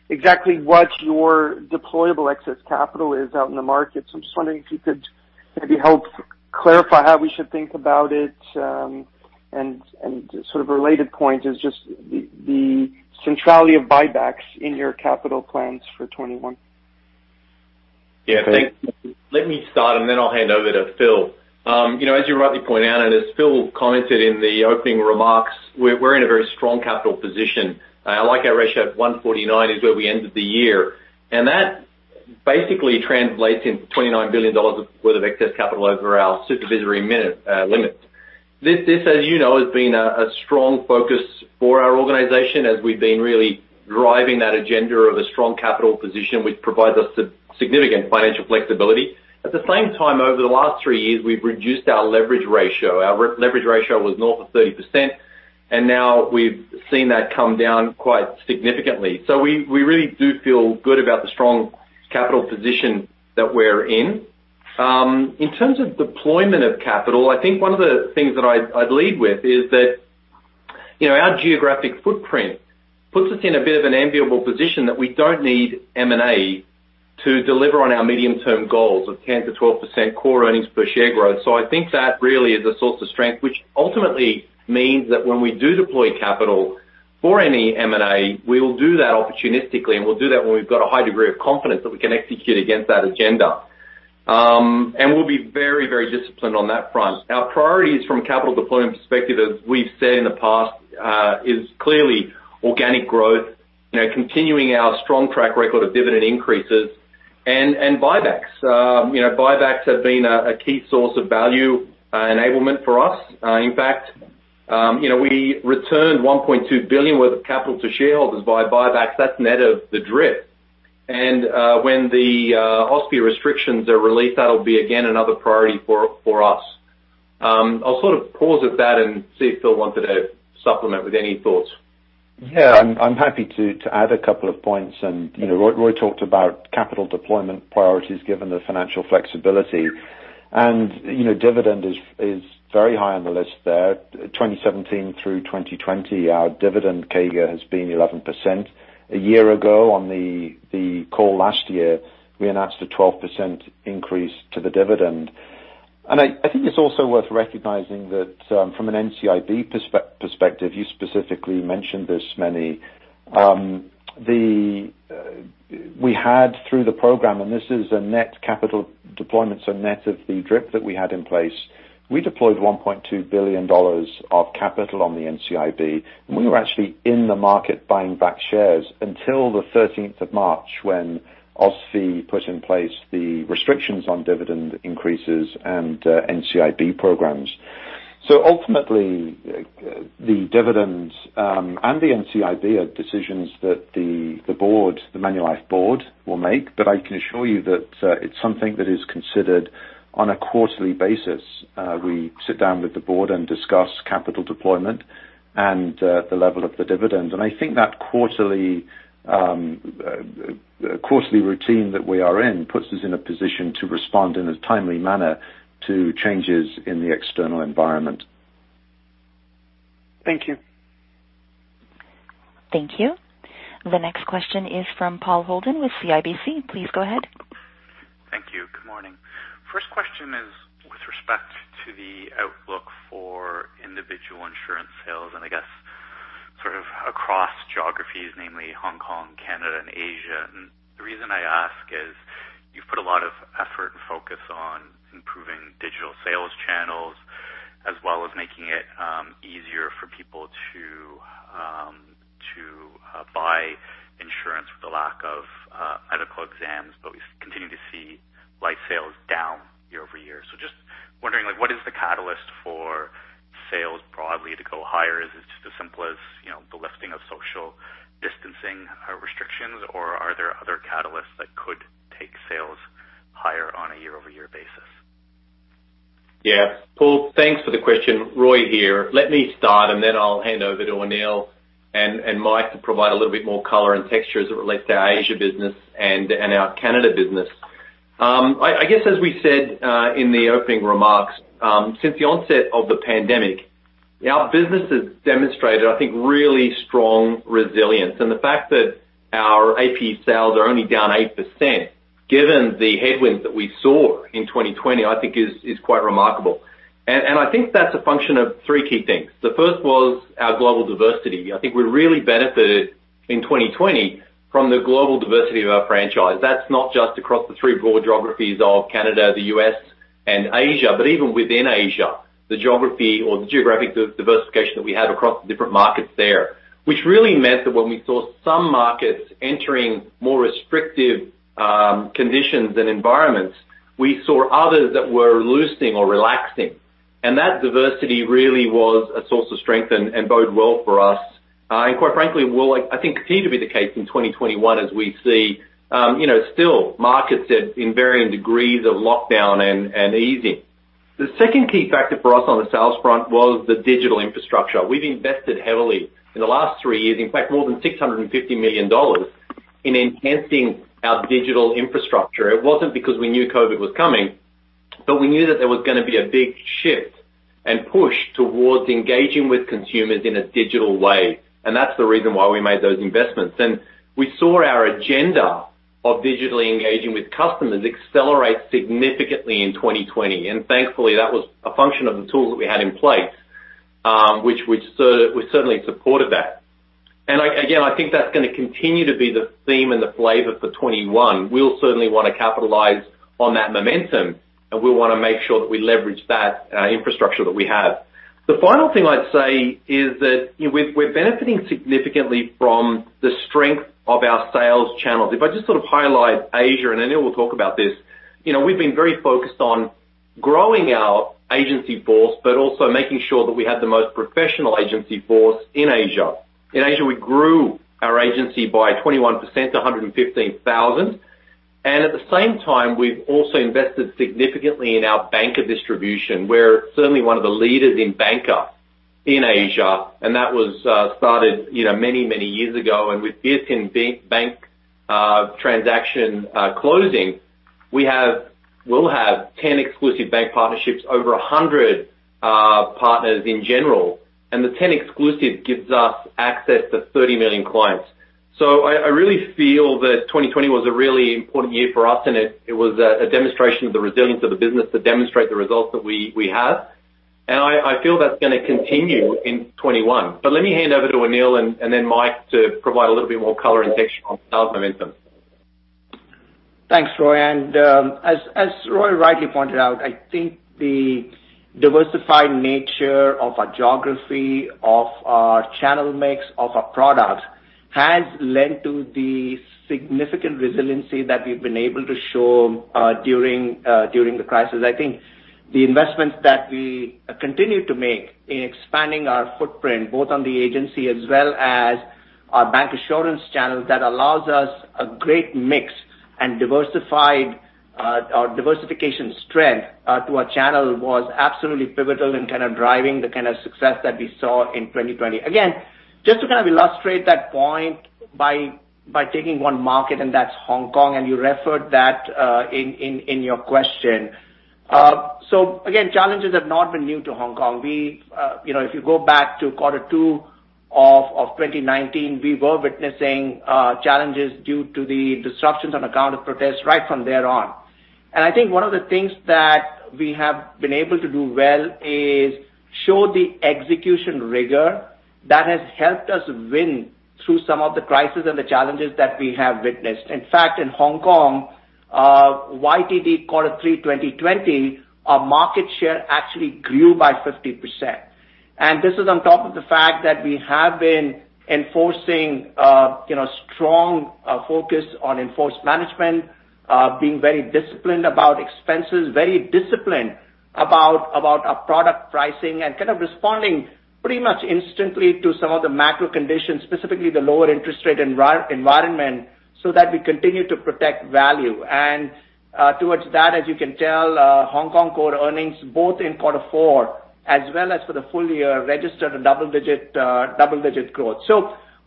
exactly what your deployable excess capital is out in the market. I'm just wondering if you could maybe help clarify how we should think about it.A related point is just the centrality of buybacks in your capital plans for 2021. Yeah. Thanks. Let me start, and then I'll hand over to Phil. As you rightly point analyst, and as Phil commented in the opening remarks, we're in a very strong capital position. Like our ratio of 1.49 is where we ended the year. That basically translates into $29 billion worth of excess capital over our supervisory limit. This, as you know, has been a strong focus for our organization as we've been really driving that agenda of a strong capital position, which provides us significant financial flexibility. At the same time, over the last three years, we've reduced our leverage ratio. Our leverage ratio was north of 30%. Now we've seen that come down quite significantly. We really do feel good about the strong capital position that we're in. In terms of deployment of capital, I think one of the things that I'd lead with is that our geographic footprint puts us in a bit of an enviable position that we don't need M&A to deliver on our medium-term goals of 10-12% core earnings per share growth. I think that really is a source of strength, which ultimately means that when we do deploy capital for any M&A, we will do that opportunistically. We'll do that when we've got a high degree of confidence that we can execute against that agenda. We'll be very, very disciplined on that front. Our priorities from a capital deployment perspective, as we've said in the past, is clearly organic growth, continuing our strong track record of dividend increases, and buybacks. Buybacks have been a key source of value enablement for us. In fact, we returned $1.2 billion worth of capital to shareholders via buybacks. That is net of the drift. When the OSFI restrictions are released, that will be, again, another priority for us. I will pause at that and see if Phil wanted to supplement with any thoughts. Yeah. I am happy to add a couple of points. Roy talked about capital deployment priorities given the financial flexibility. Dividend is very high on the list there. From 2017 through 2020, our dividend CAGR has been 11%. A year ago, on the call last year, we announced a 12% increase to the dividend. I think it is also worth recognizing that from an NCIB perspective, you specifically mentioned this, many. We had, through the program, and this is a net capital deployment, so net of the drift that we had in place, we deployed $1.2 billion of capital on the NCIB. We were actually in the market buying back shares until the 13th of March when OSFI put in place the restrictions on dividend increases and NCIB programs. Ultimately, the dividend and the NCIB are decisions that the board, the Manulife Board, will make. I can assure you that it is something that is considered on a quarterly basis. We sit down with the board and discuss capital deployment and the level of the dividend. I think that quarterly routine that we are in puts us in a position to respond in a timely manner to changes in the external environment. Thank you. Thank you. The next question is from Paul Holden with CIBC. Please go ahead. Thank you. Good morning. First question is with respect to the outlook for individual insurance sales. Across geographies, namely Hong Kong, Canada, and Asia.The reason I ask is you've put a lot of effort and focus on improving digital sales channels as well as making it easier for people to buy insurance with a lack of medical exams. We continue to see life sales down year over year. Just wondering, what is the catalyst for sales broadly to go higher? Is it just as simple as the lifting of social distancing restrictions? Are there other catalysts that could take sales higher on a year-over-year basis? Yeah. Paul, thanks for the question. Roy here. Let me start, and then I'll hand over to Anil and Mike to provide a little bit more color and texture as it relates to our Asia business and our Canada business. As we said in the opening remarks, since the onset of the pandemic, our business has demonstrated, I think, really strong resilience. The fact that our AP sales are only down 8%, given the headwinds that we saw in 2020, I think is quite remarkable. I think that's a function of three key things. The first was our global diversity. I think we really benefited in 2020 from the global diversity of our franchise. That's not just across the three broad geographies of Canada, the U.S., and Asia, but even within Asia, the geographic diversification that we have across the different markets there, which really meant that when we saw some markets entering more restrictive conditions and environments, we saw others that were loosening or relaxing. That diversity really was a source of strength and bode well for us. Quite frankly, I think it will continue to be the case in 2021 as we see still markets in varying degrees of lockdown and easing. The second key factor for us on the sales front was the digital infrastructure. We've invested heavily in the last three years, in fact, more than $650 million in enhancing our digital infrastructure. It wasn't because we knew COVID was coming, but we knew that there was going to be a big shift and push towards engaging with consumers in a digital way. That is the reason why we made those investments. We saw our agenda of digitally engaging with customers accelerate significantly in 2020. Thankfully, that was a function of the tools that we had in place, which certainly supported that. I think that is going to continue to be the theme and the flavor for 2021. We will certainly want to capitalize on that momentum. We will want to make sure that we leverage that infrastructure that we have. The final thing I'd say is that we're benefiting significantly from the strength of our sales channels. If I just highlight Asia, and Anil will talk about this, we've been very focused on growing our agency force, but also making sure that we have the most professional agency force in Asia. In Asia, we grew our agency by 21% to 115,000. At the same time, we've also invested significantly in our banker distribution, where it's certainly one of the leaders in banker in Asia. That was started many, many years ago. With VietinBank transaction closing, we will have 10 exclusive bank partnerships, over 100 partners in general. The 10 exclusive gives us access to 30 million clients. I really feel that 2020 was a really important year for us.It was a demonstration of the resilience of the business to demonstrate the results that we have. I feel that is going to continue in 2021. Let me hand over to Anil and then Mike to provide a little bit more color and texture on sales momentum. Thanks, Roy. As Roy rightly pointed out, I think the diversified nature of our geography, of our channel mix, of our product has led to the significant resiliency that we have been able to show during the crisis. I think the investments that we continue to make in expanding our footprint, both on the agency as well as our bancassurance channel, that allows us a great mix and diversification strength to our channel, was absolutely pivotal in driving the success that we saw in 2020. Again, just to illustrate that point by taking one market, and that is Hong Kong. You referred to that in your question. Challenges have not been new to Hong Kong. If you go back to quarter two of 2019, we were witnessing challenges due to the disruptions on account of protests right from there on. I think one of the things that we have been able to do well is show the execution rigor that has helped us win through some of the crises and the challenges that we have witnessed. In fact, in Hong Kong, year-to-date quarter three 2020, our market share actually grew by 50%. This is on top of the fact that we have been enforcing a strong focus on inforce management, being very disciplined about expenses, very disciplined about our product pricing, and responding pretty much instantly to some of the macro conditions, specifically the lower interest rate environment, so that we continue to protect value. Towards that, as you can tell, Hong Kong core earnings, both in quarter four as well as for the full year, registered a double-digit growth.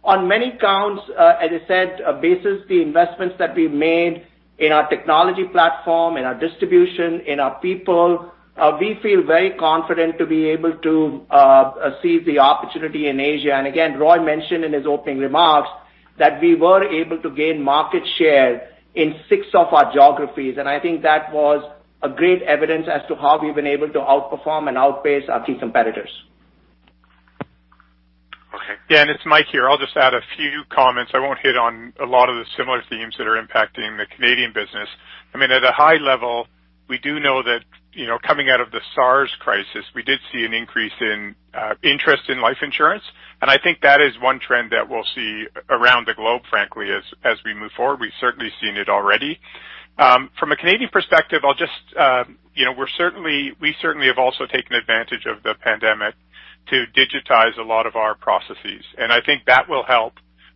On many counts, as I said, basis the investments that we made in our technology platform, in our distribution, in our people, we feel very confident to be able to seize the opportunity in Asia. Again, Roy mentioned in his opening remarks that we were able to gain market share in six of our geographies.I think that was a great evidence as to how we've been able to outperform and outpace our key competitors. Yeah. It's Mike here. I'll just add a few comments. I won't hit on a lot of the similar themes that are impacting the Canadian business. At a high level, we do know that coming out of the SARS crisis, we did see an increase in interest in life insurance. I think that is one trend that we'll see around the globe, frankly, as we move forward. We've certainly seen it already. From a Canadian perspective, we certainly have also taken advantage of the pandemic to digitize a lot of our processes. I think that will help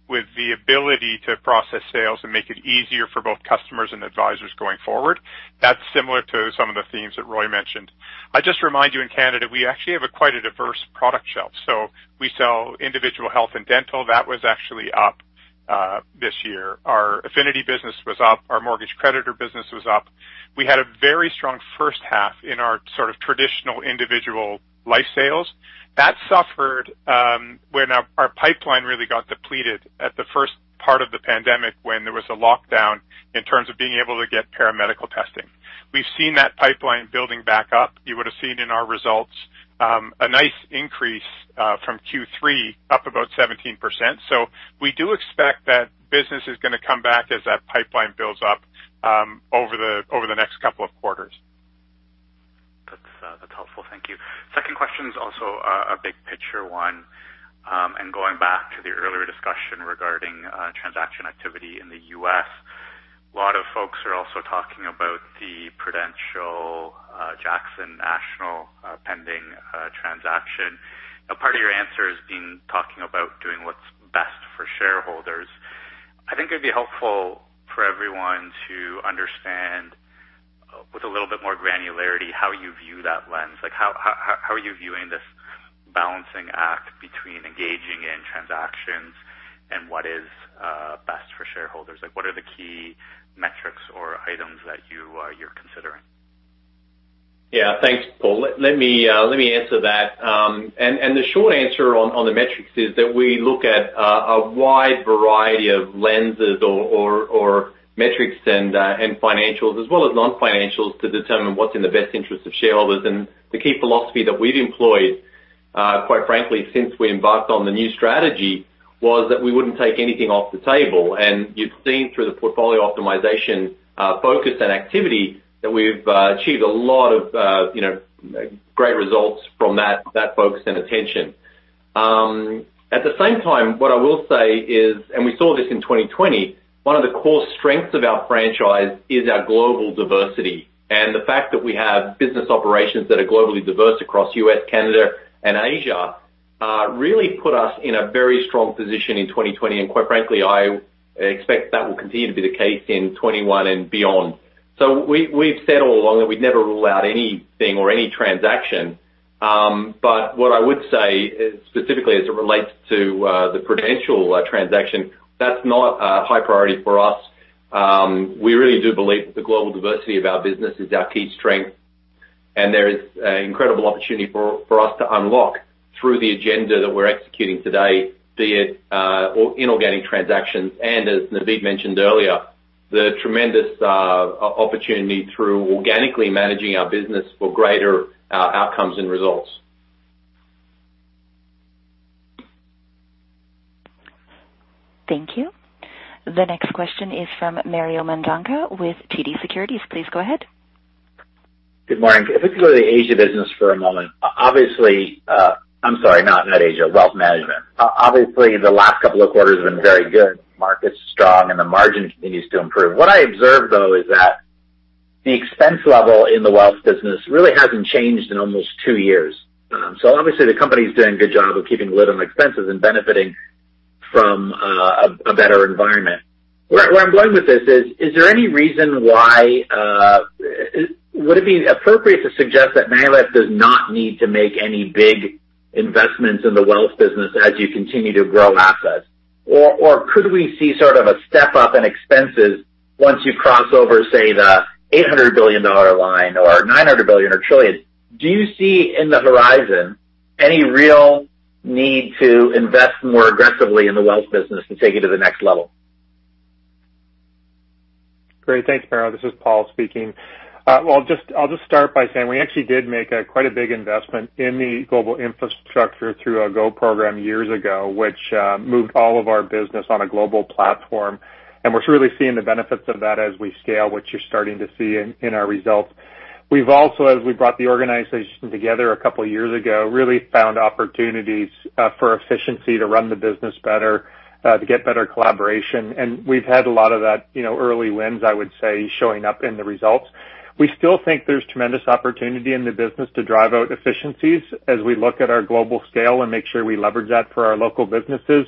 with the ability to process sales and make it easier for both customers and advisors going forward. That's similar to some of the themes that Roy mentioned. I just remind you, in Canada, we actually have quite a diverse product shelf. We sell individual health and dental. That was actually up this year. Our affinity business was up. Our mortgage creditor business was up. We had a very strong first half in our traditional individual life sales. That suffered when our pipeline really got depleted at the first part of the pandemic when there was a lockdown in terms of being able to get paramedical testing. We've seen that pipeline building back up. You would have seen in our results a nice increase from Q3, up about 17%. We do expect that business is going to come back as that pipeline builds up over the next couple of quarters. That's helpful. Thank you. Second question is also a big picture one. Going back to the earlier discussion regarding transaction activity in the U.S., a lot of folks are also talking about the Prudential Jackson National pending transaction. Part of your answer has been talking about doing what's best for shareholders. I think it'd be helpful for everyone to understand, with a little bit more granularity, how you view that lens. How are you viewing this balancing act between engaging in transactions and what is best for shareholders? What are the key metrics or items that you're considering? Yeah. Thanks, Paul. Let me answer that. The short answer on the metrics is that we look at a wide variety of lenses or metrics and financials as well as non-financials to determine what's in the best interest of shareholders. The key philosophy that we've employed, quite frankly, since we embarked on the new strategy was that we wouldn't take anything off the table. You've seen through the portfolio optimization focus and activity that we've achieved a lot of great results from that focus and attention. At the same time, what I will say is, we saw this in 2020, one of the core strengths of our franchise is our global diversity. The fact that we have business operations that are globally diverse across the US, Canada, and Asia really put us in a very strong position in 2020. Quite frankly, I expect that will continue to be the case in 2021 and beyond. We've said all along that we'd never rule out anything or any transaction. What I would say specifically as it relates to the Prudential transaction, that's not a high priority for us. We really do believe that the global diversity of our business is our key strength. There is an incredible opportunity for us to unlock through the agenda that we're executing today, be it in organic transactions. As Navdeep mentioned earlier, the tremendous opportunity through organically managing our business for greater outcomes and results. Thank you. The next question is from Mario Mandanca with TD Securities. Please go ahead. Good morning. If we could go to the Asia business for a moment. Obviously, I'm sorry, not Asia, wealth management. Obviously, the last couple of quarters have been very good. The market's strong, and the margin continues to improve. What I observe, though, is that the expense level in the wealth business really hasn't changed in almost two years. Obviously, the company is doing a good job of keeping a lid on expenses and benefiting from a better environment. Where I'm going with this is, is there any reason why would it be appropriate to suggest that NALEF does not need to make any big investments in the wealth business as you continue to grow assets? Or could we see a step up in expenses once you cross over, say, the $800 billion line or $900 billion or trillion? Do you see in the horizon any real need to invest more aggressively in the wealth business to take it to the next level? Great. Thanks, Mario. This is Paul speaking. I'll just start by saying we actually did make quite a big investment in the global infrastructure through our Go program years ago, which moved all of our business on a global platform. We are really seeing the benefits of that as we scale, which you are starting to see in our results. We have also, as we brought the organization together a couple of years ago, really found opportunities for efficiency to run the business better, to get better collaboration. We have had a lot of those early wins, I would say, showing up in the results. We still think there is tremendous opportunity in the business to drive out efficiencies as we look at our global scale and make sure we leverage that for our local businesses.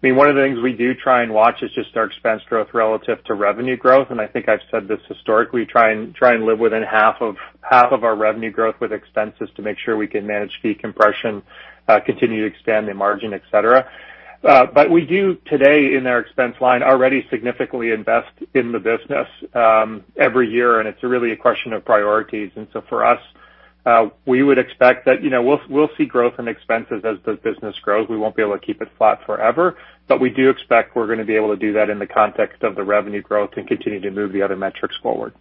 One of the things we do try and watch is just our expense growth relative to revenue growth. I think I have said this historically, try and live within half of our revenue growth with expenses to make sure we can manage fee compression, continue to expand the margin, etc. We do today, in our expense line, already significantly invest in the business every year. It is really a question of priorities. For us, we would expect that we will see growth in expenses as the business grows. We will not be able to keep it flat forever. We do expect we are going to be able to do that in the context of the revenue growth and continue to move the other metrics forward.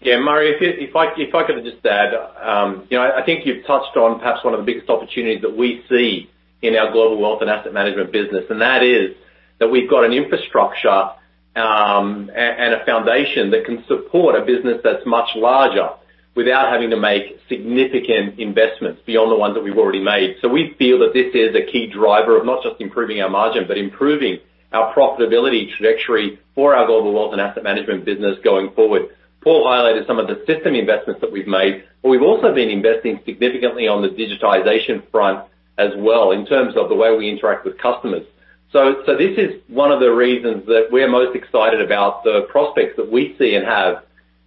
Yeah. Mario, if I could have just said, I think you have touched on perhaps one of the biggest opportunities that we see in our global wealth and asset management business. That is that we have got an infrastructure and a foundation that can support a business that is much larger without having to make significant investments beyond the ones that we have already made. We feel that this is a key driver of not just improving our margin, but improving our profitability trajectory for our global wealth and asset management business going forward. Paul highlighted some of the system investments that we've made. We've also been investing significantly on the digitization front as well in terms of the way we interact with customers. This is one of the reasons that we're most excited about the prospects that we see and have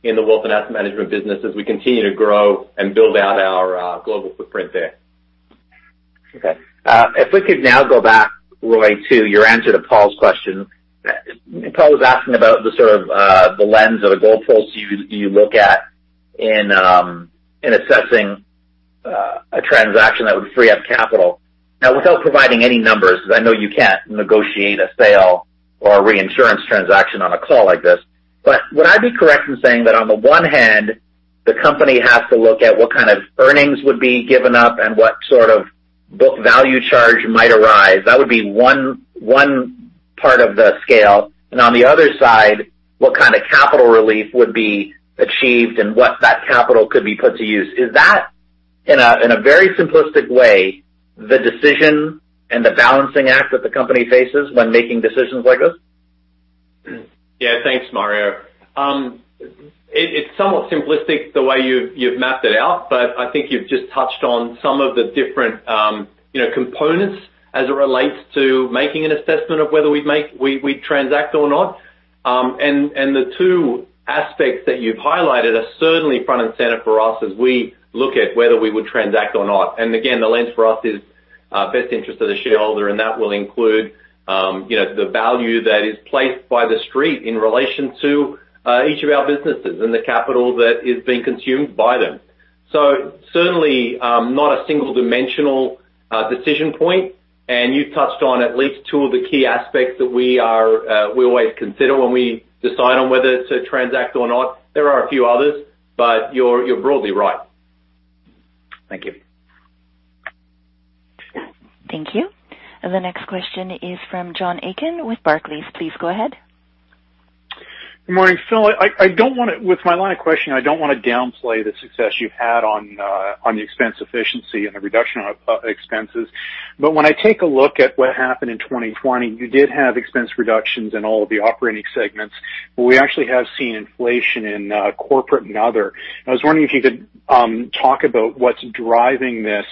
in the wealth and asset management business as we continue to grow and build out our global footprint there. Okay. If we could now go back, Roy, to your answer to Paul's question. Paul was asking about the lens or the goalposts you look at in assessing a transaction that would free up capital. Now, without providing any numbers, because I know you can't negotiate a sale or a reinsurance transaction on a call like this. Would I be correct in saying that on the one hand, the company has to look at what earnings would be given up and what book value charge might arise? That would be one part of the scale. On the other side, what capital relief would be achieved and what that capital could be put to use? Is that, in a very simplistic way, the decision and the balancing act that the company faces when making decisions like this? Yeah. Thanks, Mario. It's somewhat simplistic the way you've mapped it out. I think you've just touched on some of the different components as it relates to making an assessment of whether we'd transact or not. The two aspects that you've highlighted are certainly front and center for us as we look at whether we would transact or not. Again, the lens for us is best interest of the shareholder. That will include the value that is placed by the street in relation to each of our businesses and the capital that is being consumed by them. Certainly not a single-dimensional decision point. You've touched on at least two of the key aspects that we always consider when we decide on whether to transact or not. There are a few others. You're broadly right. Thank you. Thank you. The next question is from John Aiken with Barclays. Please go ahead. Good morning. With my line of questioning, I don't want to downplay the success you've had on the expense efficiency and the reduction of expenses. When I take a look at what happened in 2020, you did have expense reductions in all of the operating segments. We actually have seen inflation in corporate and other. I was wondering if you could talk about what's driving this.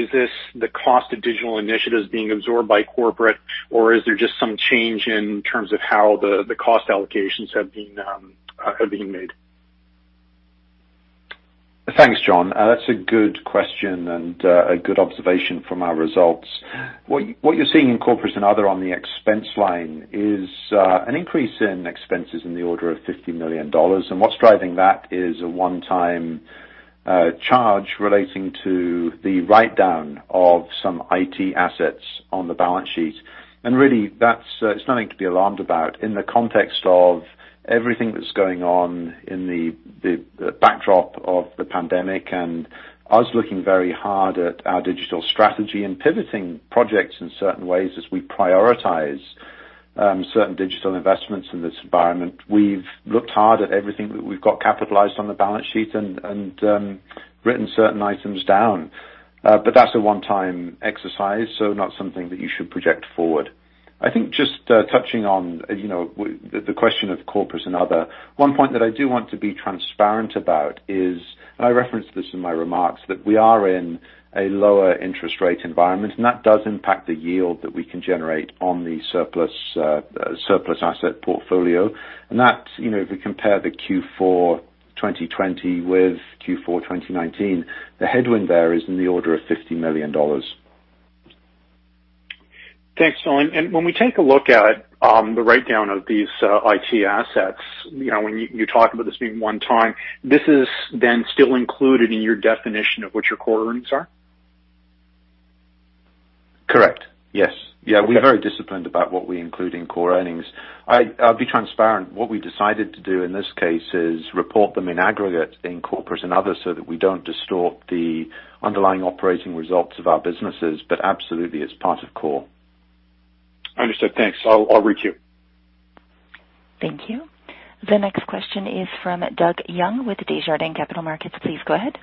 Is this the cost of digital initiatives being absorbed by corporate? Or is there just some change in terms of how the cost allocations have been made? Thanks, John. That's a good question and a good observation from our results. What you're seeing in corporate and other on the expense line is an increase in expenses in the order of $50 million. What's driving that is a one-time charge relating to the write-down of some IT assets on the balance sheet. Really, it's nothing to be alarmed about in the context of everything that's going on in the backdrop of the pandemic. We are looking very hard at our digital strategy and pivoting projects in certain ways as we prioritize certain digital investments in this environment. We have looked hard at everything that we have capitalized on the balance sheet and written certain items down. That is a one-time exercise, so not something that you should project forward. I think just touching on the question of corporate and other, one point that I do want to be transparent about is, and I referenced this in my remarks, that we are in a lower interest rate environment. That does impact the yield that we can generate on the surplus asset portfolio. If we compare Q4 2020 with Q4 2019, the headwind there is in the order of $50 million. Thanks, Roy.When we take a look at the write-down of these IT assets, when you talk about this being one time, this is then still included in your definition of what your core earnings are? Correct. Yes. Yeah. We're very disciplined about what we include in core earnings. I'll be transparent. What we decided to do in this case is report them in aggregate in corporate and other so that we don't distort the underlying operating results of our businesses. Absolutely, it's part of core. Understood. Thanks. I'll read to you. Thank you. The next question is from Doug Young with Desjardins Capital Markets.Please go ahead.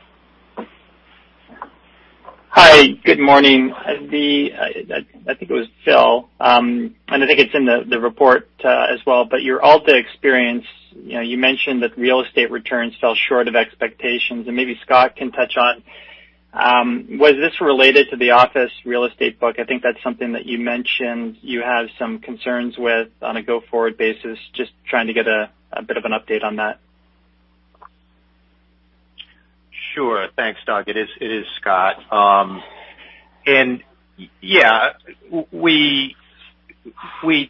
Hi. Good morning. I think it was Phil. I think it's in the report as well. Your AltA experience, you mentioned that real estate returns fell short of expectations. Maybe Scott can touch on, was this related to the Office Real Estate book? I think that's something that you mentioned you have some concerns with on a go-forward basis. Just trying to get a bit of an update on that. Sure.Thanks, Doug. It is Scott. Yeah, we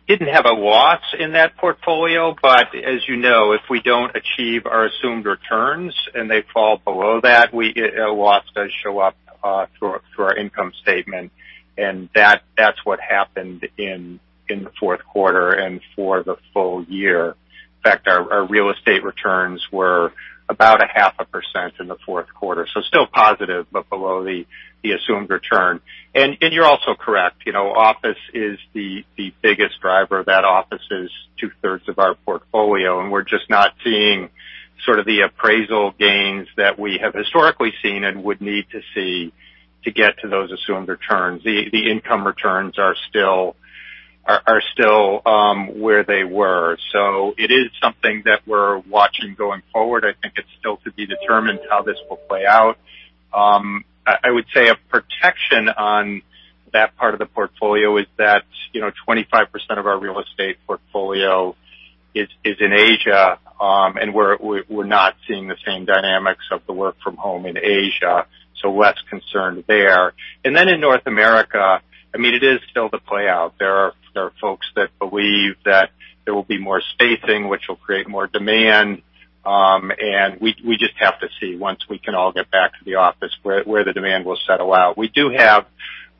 didn't have a loss in that portfolio. As you know, if we don't achieve our assumed returns and they fall below that, a loss does show up through our income statement. That's what happened in the fourth quarter and for the full year. In fact, our real estate returns were about 0.5% in the fourth quarter. Still positive, but below the assumed return. You're also correct. Office is the biggest driver. Office is two-thirds of our portfolio. We are just not seeing the appraisal gains that we have historically seen and would need to see to get to those assumed returns. The income returns are still where they were. It is something that we are watching going forward. I think it is still to be determined how this will play out. I would say a protection on that part of the portfolio is that 25% of our real estate portfolio is in Asia. We are not seeing the same dynamics of the work-from-home in Asia, so less concerned there. In North America, it is still the playout. There are folks that believe that there will be more spacing, which will create more demand. We just have to see once we can all get back to the office where the demand will settle out. We do have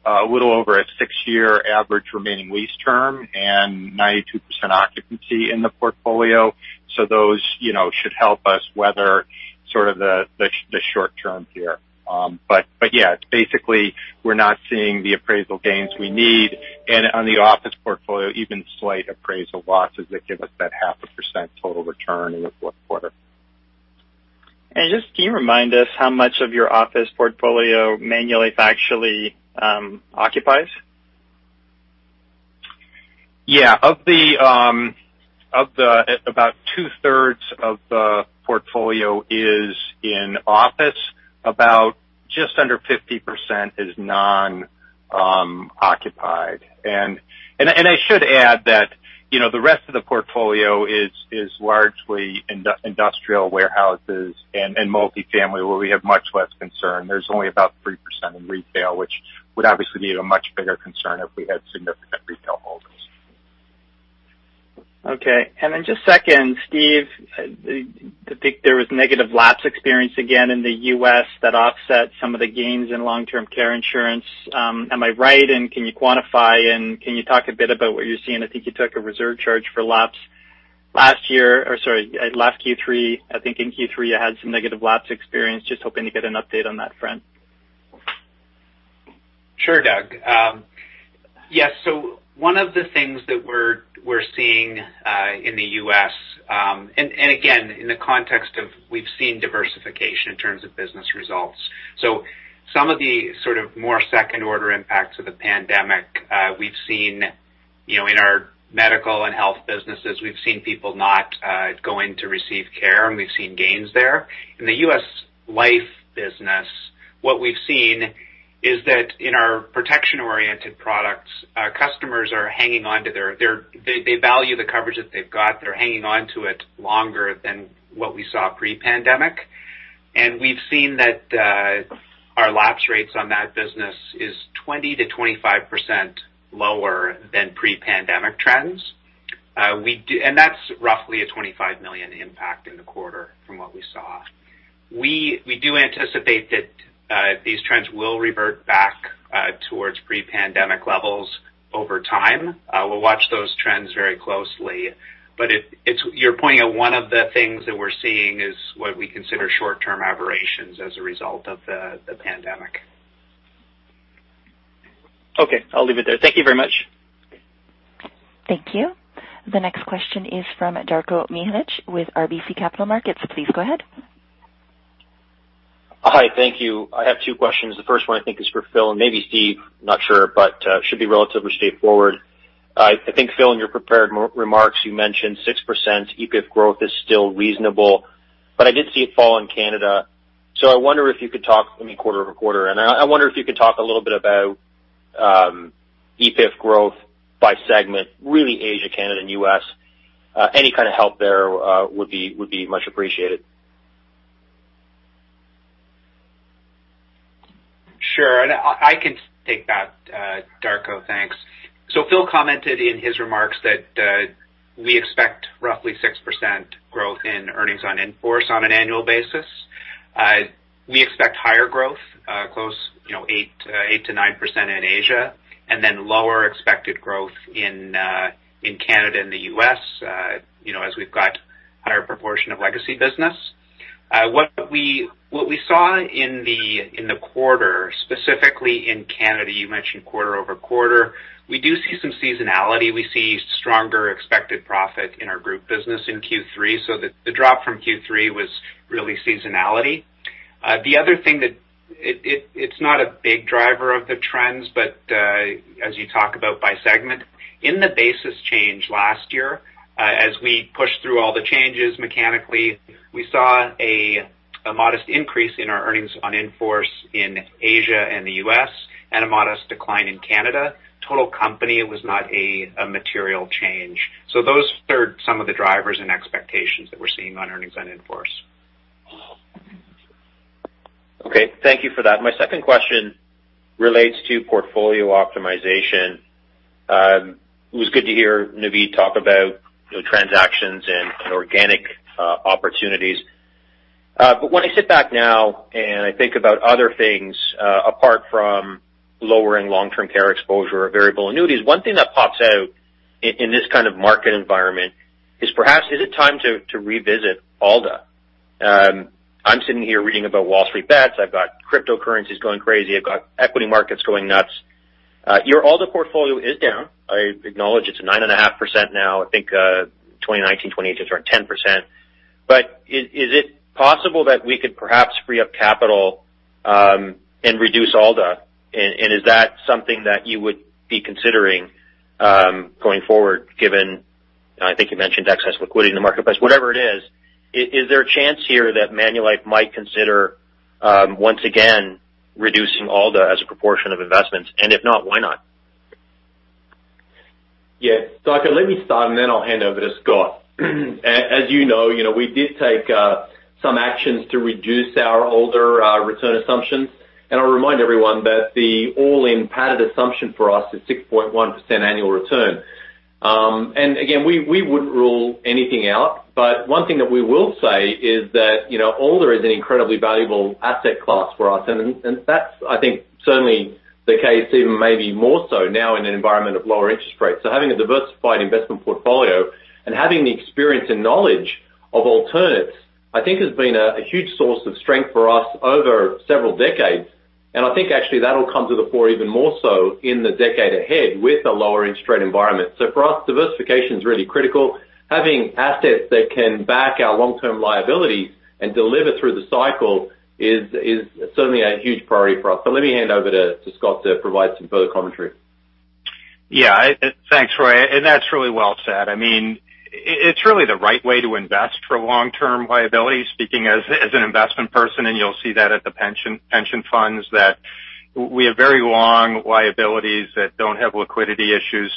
a little over a six-year average remaining lease term and 92% occupancy in the portfolio. Those should help us weather the short term here. Yeah, basically, we're not seeing the appraisal gains we need. On the office portfolio, even slight appraisal losses give us that half a percent total return in the fourth quarter. Just can you remind us how much of your office portfolio Manulife Financial actually occupies? Yeah. Of the about two-thirds of the portfolio that is in office, just under 50% is non-occupied. I should add that the rest of the portfolio is largely industrial warehouses and multifamily, where we have much less concern. There's only about 3% in retail, which would obviously be a much bigger concern if we had significant retail holders. Okay.Just second, Steve, I think there was negative lapse experience again in the US that offset some of the gains in long-term care insurance. Am I right? Can you quantify? Can you talk a bit about what you're seeing? I think you took a reserve charge for lapse last year. Sorry, last Q3. I think in Q3, you had some negative lapse experience. Just hoping to get an update on that front. Sure, Doug. Yeah. One of the things that we're seeing in the US, in the context of we've seen diversification in terms of business results, some of the more second-order impacts of the pandemic, we've seen in our medical and health businesses, we've seen people not going to receive care. We've seen gains there.In the US life business, what we've seen is that in our protection-oriented products, customers are hanging on to their they value the coverage that they've got. They're hanging on to it longer than what we saw pre-pandemic. We've seen that our lapse rates on that business is 20-25% lower than pre-pandemic trends. That's roughly a $25 million impact in the quarter from what we saw. We do anticipate that these trends will revert back towards pre-pandemic levels over time. We'll watch those trends very closely. You're pointing out one of the things that we're seeing is what we consider short-term aberrations as a result of the pandemic. Okay. I'll leave it there. Thank you very much. Thank you. The next question is from Darko Mihalic with RBC Capital Markets. Please go ahead. Hi. Thank you. I have two questions. The first one, I think, is for Phil. And maybe Steve, not sure. It should be relatively straightforward. I think, Phil, in your prepared remarks, you mentioned 6% EPIF growth is still reasonable. I did see a fall in Canada. I wonder if you could talk let me quarter over quarter. I wonder if you could talk a little bit about EPIF growth by segment, really Asia, Canada, and US. Any help there would be much appreciated. Sure. I can take that, Darko. Thanks. Phil commented in his remarks that we expect roughly 6% growth in earnings on inforce on an annual basis. We expect higher growth, close 8-9% in Asia. Then lower expected growth in Canada and the US as we've got a higher proportion of legacy business. What we saw in the quarter, specifically in Canada, you mentioned quarter over quarter, we do see some seasonality. We see stronger expected profit in our group business in Q3. The drop from Q3 was really seasonality. The other thing that it's not a big driver of the trends. As you talk about by segment, in the basis change last year, as we pushed through all the changes mechanically, we saw a modest increase in our earnings on inforce in Asia and the US and a modest decline in Canada. Total company was not a material change. Those are some of the drivers and expectations that we're seeing on earnings on inforce. Okay. Thank you for that. My second question relates to portfolio optimization. It was good to hear Navdeed talk about transactions and organic opportunities. When I sit back now and I think about other things apart from lowering long-term care exposure or variable annuities, one thing that pops out in this market environment is perhaps, is it time to revisit AltA? I'm sitting here reading about Wall Street Bets. I've got cryptocurrencies going crazy. I've got equity markets going nuts. Your AltA portfolio is down. I acknowledge it's at 9.5% now. I think 2019, 2018 was around 10%. Is it possible that we could perhaps free up capital and reduce AltA? Is that something that you would be considering going forward, given I think you mentioned excess liquidity in the marketplace? Whatever it is, is there a chance here that Manulife might consider once again reducing AltA as a proportion of investments? If not, why not? Yeah. Doctor, let me start.I will hand over to Scott. As you know, we did take some actions to reduce our older return assumptions. I will remind everyone that the all-in padded assumption for us is 6.1% annual return. We would not rule anything out. One thing that we will say is that AltA is an incredibly valuable asset class for us. That is, I think, certainly the case, even maybe more so now in an environment of lower interest rates. Having a diversified investment portfolio and having the experience and knowledge of alternatives, I think, has been a huge source of strength for us over several decades. I think, actually, that will come to the fore even more so in the decade ahead with a lower interest rate environment. For us, diversification is really critical. Having assets that can back our long-term liabilities and deliver through the cycle is certainly a huge priority for us. Let me hand over to Scott to provide some further commentary. Yeah. Thanks, Roy. That's really well said. It's really the right way to invest for long-term liabilities, speaking as an investment person. You'll see that at the pension funds that we have very long liabilities that don't have liquidity issues.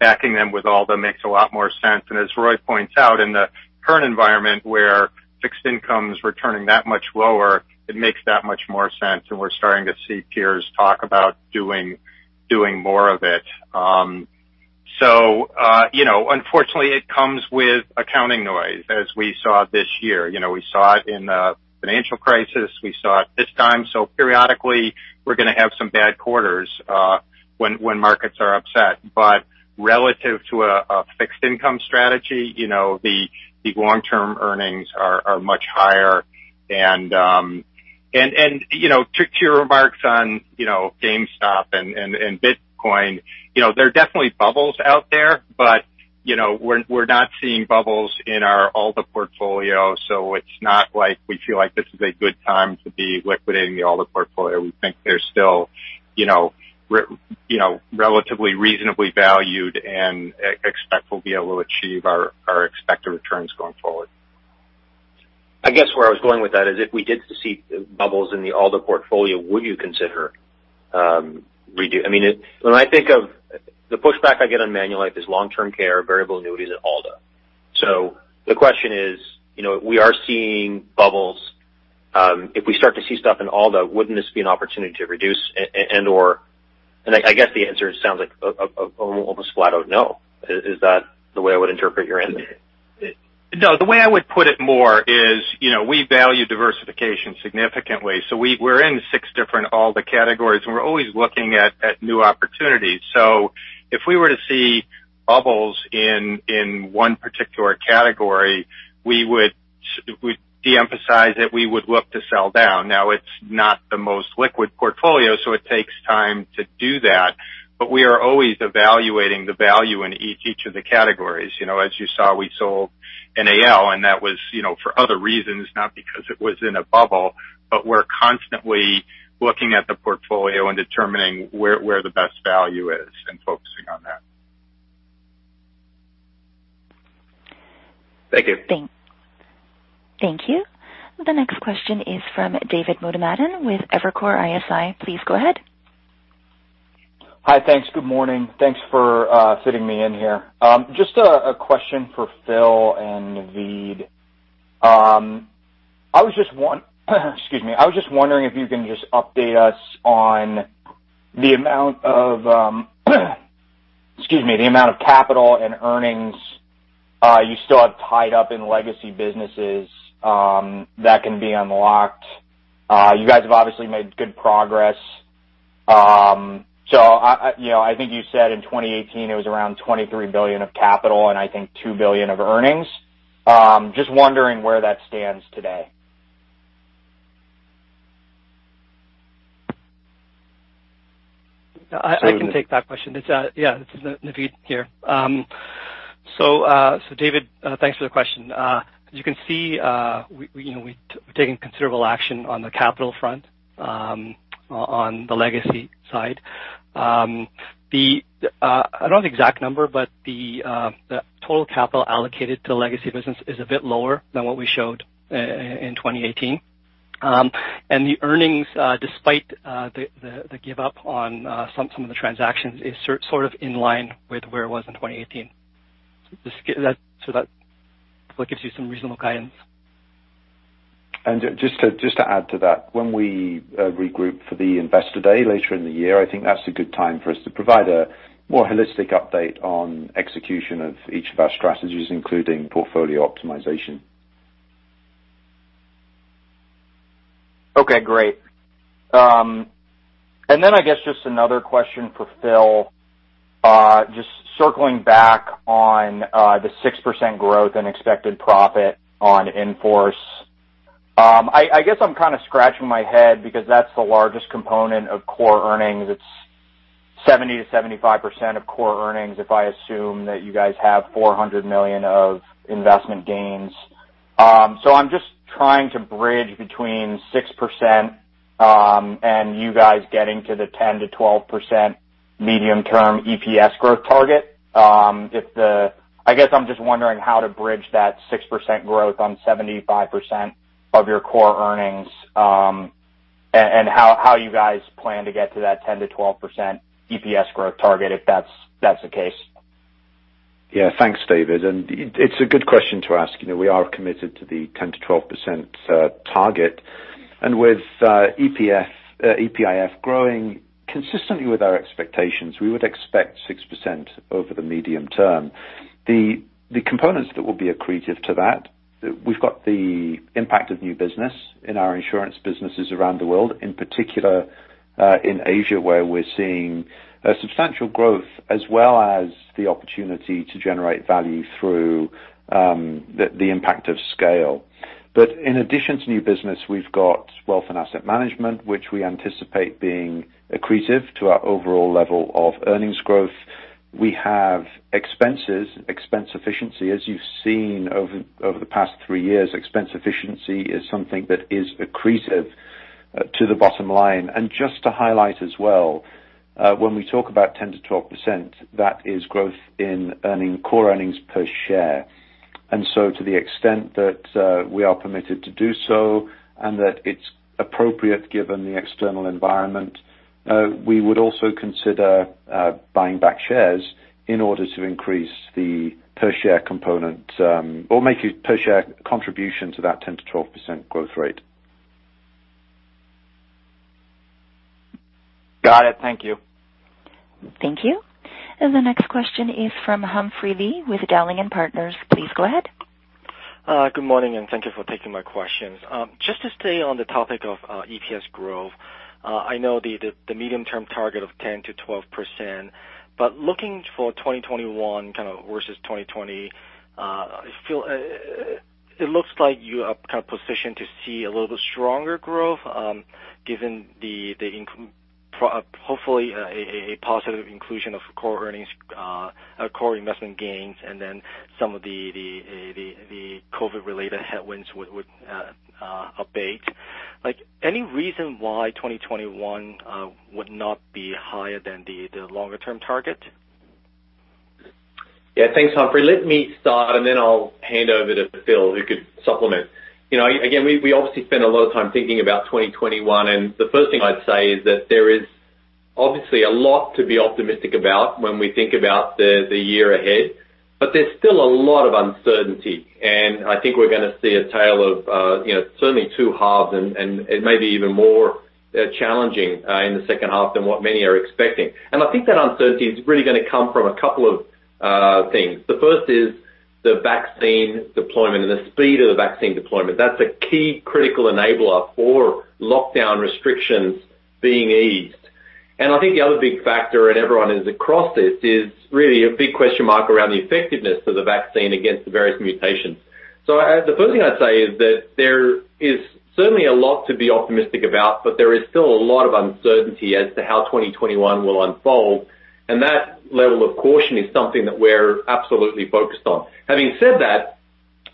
Backing them with AltA makes a lot more sense. As Roy points out, in the current environment where fixed income is returning that much lower, it makes that much more sense. We're starting to see peers talk about doing more of it. Unfortunately, it comes with accounting noise, as we saw this year. We saw it in the financial crisis. We saw it this time. Periodically, we're going to have some bad quarters when markets are upset. Relative to a fixed income strategy, the long-term earnings are much higher. To your remarks on GameStop and Bitcoin, there are definitely bubbles out there. We're not seeing bubbles in our AltA portfolio. It's not like we feel like this is a good time to be liquidating the AltA portfolio. We think they're still relatively reasonably valued and expect we'll be able to achieve our expected returns going forward. Where I was going with that is if we did see bubbles in the AltA portfolio, would you consider redo? When I think of the pushback I get on Manulife is long-term care, variable annuities, and AltA. The question is, we are seeing bubbles. If we start to see stuff in AltA, wouldn't this be an opportunity to reduce? The answer sounds like almost flat out no. Is that the way I would interpret your answer? No. The way I would put it more is we value diversification significantly. We are in six different AltA categories. We are always looking at new opportunities. If we were to see bubbles in one particular category, we would de-emphasize it. We would look to sell down. It is not the most liquid portfolio, so it takes time to do that. We are always evaluating the value in each of the categories. As you saw, we sold NAL. That was for other reasons, not because it was in a bubble. We are constantly looking at the portfolio and determining where the best value is and focusing on that. Thank you. The next question is from David Modomattin with Evercore ISI. Please go ahead. Hi. Thanks.Good morning. Thanks for fitting me in here. Just a question for Phil and Navdeed. I was just wanting, excuse me, I was just wondering if you can just update us on the amount of, excuse me, the amount of capital and earnings you still have tied up in legacy businesses that can be unlocked. You guys have obviously made good progress. I think you said in 2018, it was around $23 billion of capital and I think $2 billion of earnings. Just wondering where that stands today. I can take that question. Yeah. This is Naveed here. David, thanks for the question. As you can see, we've taken considerable action on the capital front on the legacy side. I don't have the exact number. The total capital allocated to the legacy business is a bit lower than what we showed in 2018.The earnings, despite the give-up on some of the transactions, is in line with where it was in 2018. That gives you some reasonable guidance. Just to add to that, when we regroup for the Investor Day later in the year, I think that's a good time for us to provide a more holistic update on execution of each of our strategies, including portfolio optimization. Okay. Great. Just another question for Phil, just circling back on the 6% growth and expected profit on inforce. I'm scratching my head because that's the largest component of core earnings. It's 70%-75% of core earnings if I assume that you guys have $400 million of investment gains. I'm just trying to bridge between 6% and you guys getting to the 10-12% medium-term EPS growth target. II'm just wondering how to bridge that 6% growth on 75% of your core earnings and how you guys plan to get to that 10-12% EPS growth target if that's the case. Yeah. Thanks, David. It's a good question to ask. We are committed to the 10-12% target. With EPIF growing consistently with our expectations, we would expect 6% over the medium term. The components that will be accretive to that, we've got the impact of new business in our insurance businesses around the world, in particular in Asia, where we're seeing substantial growth as well as the opportunity to generate value through the impact of scale. In addition to new business, we've got wealth and asset management, which we anticipate being accretive to our overall level of earnings growth. We have expenses, expense efficiency. As you've seen over the past three years, expense efficiency is something that is accretive to the bottom line. Just to highlight as well, when we talk about 10-12%, that is growth in core earnings per share. To the extent that we are permitted to do so and that it's appropriate given the external environment, we would also consider buying back shares in order to increase the per-share component or make a per-share contribution to that 10-12% growth rate. Got it. Thank you. Thank you. The next question is from Humphrey Lee with Dowling & Partners. Please go ahead. Good morning. Thank you for taking my questions. Just to stay on the topic of EPS growth, I know the medium-term target of 10-12%. Looking for 2021 versus 2020, Phil, it looks like you are positioned to see a little bit stronger growth given hopefully a positive inclusion of core investment gains and then some of the COVID-related headwinds would abate. Any reason why 2021 would not be higher than the longer-term target? Yeah. Thanks, Humphrey. Let me start. Then I'll hand over to Phil, who could supplement. Again, we obviously spent a lot of time thinking about 2021. The first thing I'd say is that there is obviously a lot to be optimistic about when we think about the year ahead. There is still a lot of uncertainty.I think we're going to see a tale of certainly two halves and maybe even more challenging in the second half than what many are expecting. I think that uncertainty is really going to come from a couple of things. The first is the vaccine deployment and the speed of the vaccine deployment. That's a key critical enabler for lockdown restrictions being eased. I think the other big factor, and everyone is across this, is really a big question mark around the effectiveness of the vaccine against the various mutations. The first thing I'd say is that there is certainly a lot to be optimistic about. There is still a lot of uncertainty as to how 2021 will unfold. That level of caution is something that we're absolutely focused on. Having said that,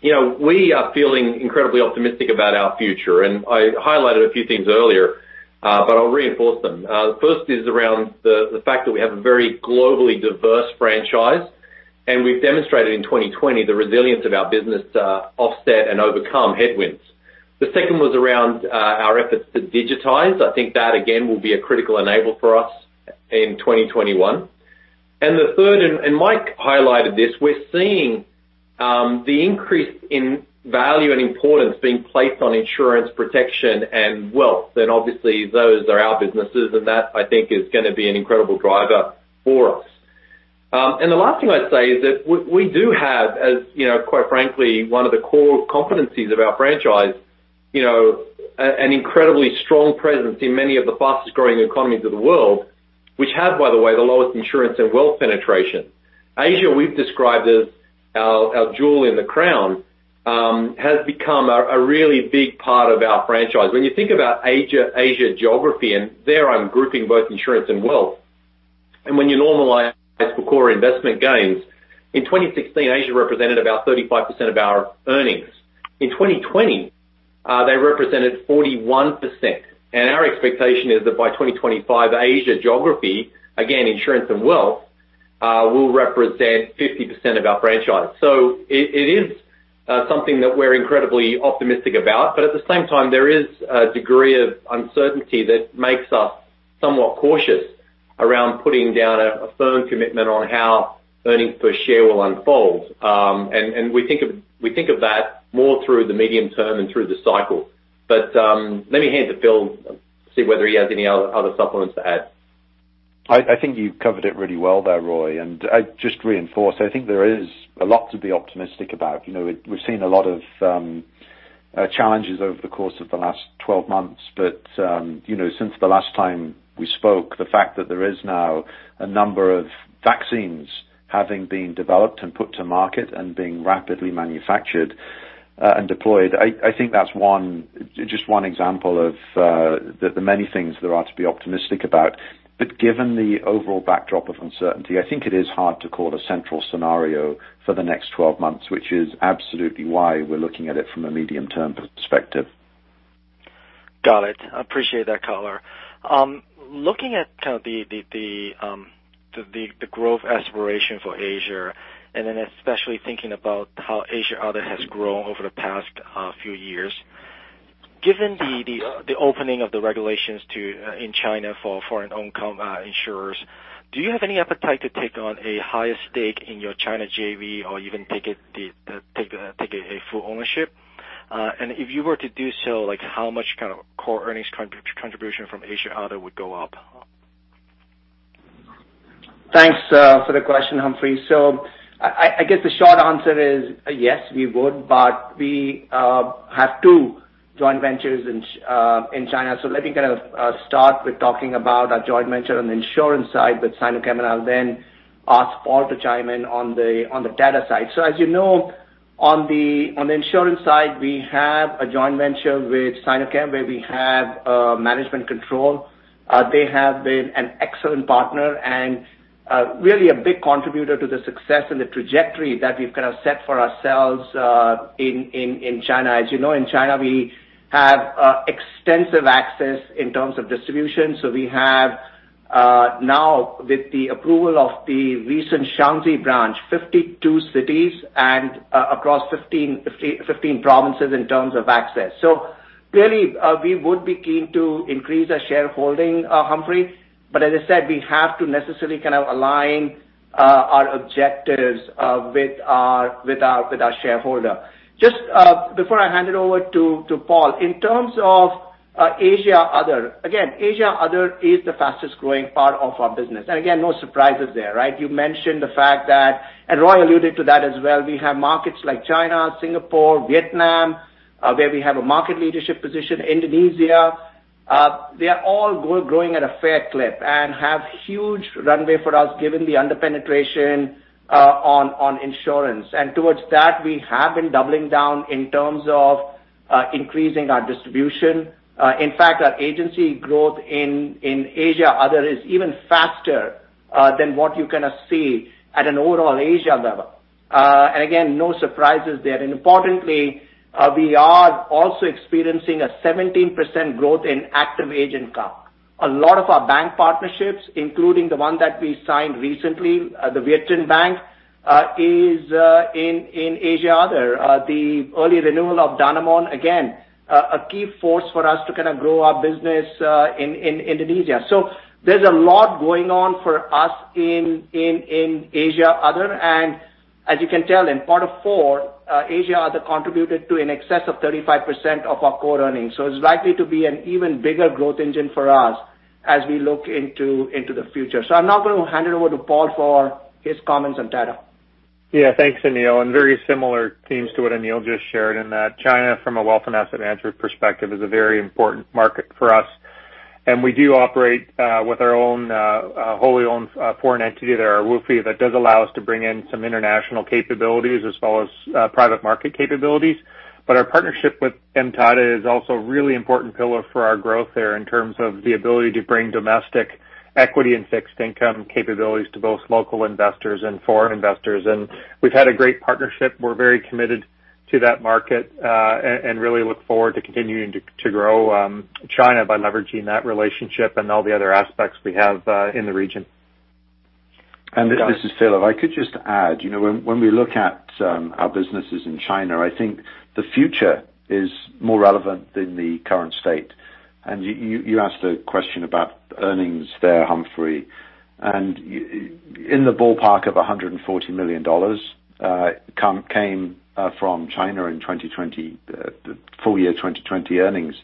we are feeling incredibly optimistic about our future. I highlighted a few things earlier. I will reinforce them. The first is around the fact that we have a very globally diverse franchise. We have demonstrated in 2020 the resilience of our business to offset and overcome headwinds. The second was around our efforts to digitize. I think that, again, will be a critical enabler for us in 2021. The third, and Mike highlighted this, we are seeing the increase in value and importance being placed on insurance protection and wealth. Obviously, those are our businesses. That, I think, is going to be an incredible driver for us. The last thing I would say is that we do have, quite frankly, one of the core competencies of our franchise, an incredibly strong presence in many of the fastest-growing economies of the world, which have, by the way, the lowest insurance and wealth penetration. Asia, we've described as our jewel in the crown, has become a really big part of our franchise. When you think about Asia geography, and there I'm grouping both insurance and wealth, and when you normalize for core investment gains, in 2016, Asia represented about 35% of our earnings. In 2020, they represented 41%. Our expectation is that by 2025, Asia geography, again, insurance and wealth, will represent 50% of our franchise. It is something that we're incredibly optimistic about. At the same time, there is a degree of uncertainty that makes us somewhat cautious around putting down a firm commitment on how earnings per share will unfold. We think of that more through the medium term and through the cycle. Let me hand to Phil and see whether he has any other supplements to add. I think you've covered it really well there, Roy.I just reinforce, I think there is a lot to be optimistic about. We've seen a lot of challenges over the course of the last 12 months. Since the last time we spoke, the fact that there is now a number of vaccines having been developed and put to market and being rapidly manufactured and deployed, I think that's just one example of the many things there are to be optimistic about. Given the overall backdrop of uncertainty, I think it is hard to call a central scenario for the next 12 months, which is absolutely why we're looking at it from a medium-term perspective. Got it. I appreciate that, Cutler.Looking at the growth aspiration for Asia, and then especially thinking about how Asia has grown over the past few years, given the opening of the regulations in China for foreign-owned insurers, do you have any appetite to take on a higher stake in your China JV or even take a full ownership? If you were to do so, how much core earnings contribution from Asia would go up? Thanks for the question, Humphrey. The short answer is yes, we would. We have two joint ventures in China. Let me start with talking about our joint venture on the insurance side with Sinochem, and I'll then ask Paul to chime in on the data side. As you know, on the insurance side, we have a joint venture with Sinochem where we have management control. They have been an excellent partner and really a big contributor to the success and the trajectory that we've set for ourselves in China. As you know, in China, we have extensive access in terms of distribution. We have now, with the approval of the recent Shaanxi branch, 52 cities and across 15 provinces in terms of access. Clearly, we would be keen to increase our shareholding, Humphrey. As I said, we have to necessarily align our objectives with our shareholder. Just before I hand it over to Paul, in terms of Asia other, again, Asia other is the fastest-growing part of our business. Again, no surprises there, right? You mentioned the fact that, and Roy alluded to that as well, we have markets like China, Singapore, Vietnam, where we have a market leadership position, Indonesia. They are all growing at a fair clip and have huge runway for us given the under-penetration on insurance. Towards that, we have been doubling down in terms of increasing our distribution. In fact, our agency growth in Asia other is even faster than what you see at an overall Asia level. Again, no surprises there. Importantly, we are also experiencing a 17% growth in active agent count. A lot of our bank partnerships, including the one that we signed recently, VietinBank, is in Asia other. The early renewal of Danamon, again, a key force for us to grow our business in Indonesia. There is a lot going on for us in Asia other. As you can tell, in quarter four, Asia other contributed to in excess of 35% of our core earnings. It is likely to be an even bigger growth engine for us as we look into the future. I am now going to hand it over to Paul for his comments on data. Yeah. Thanks, Anil. Very similar themes to what Anil just shared in that China from a wealth and asset management perspective is a very important market for us. We do operate with our own wholly owned foreign entity there, our Wufi, that does allow us to bring in some international capabilities as well as private market capabilities. Our partnership with Emtata is also a really important pillar for our growth there in terms of the ability to bring domestic equity and fixed income capabilities to both local investors and foreign investors. We have had a great partnership. We're very committed to that market and really look forward to continuing to grow China by leveraging that relationship and all the other aspects we have in the region. This is Philip. I could just add, when we look at our businesses in China, I think the future is more relevant than the current state. You asked a question about earnings there, Humphrey. In the ballpark of $140 million came from China in 2020, the full year 2020 earnings.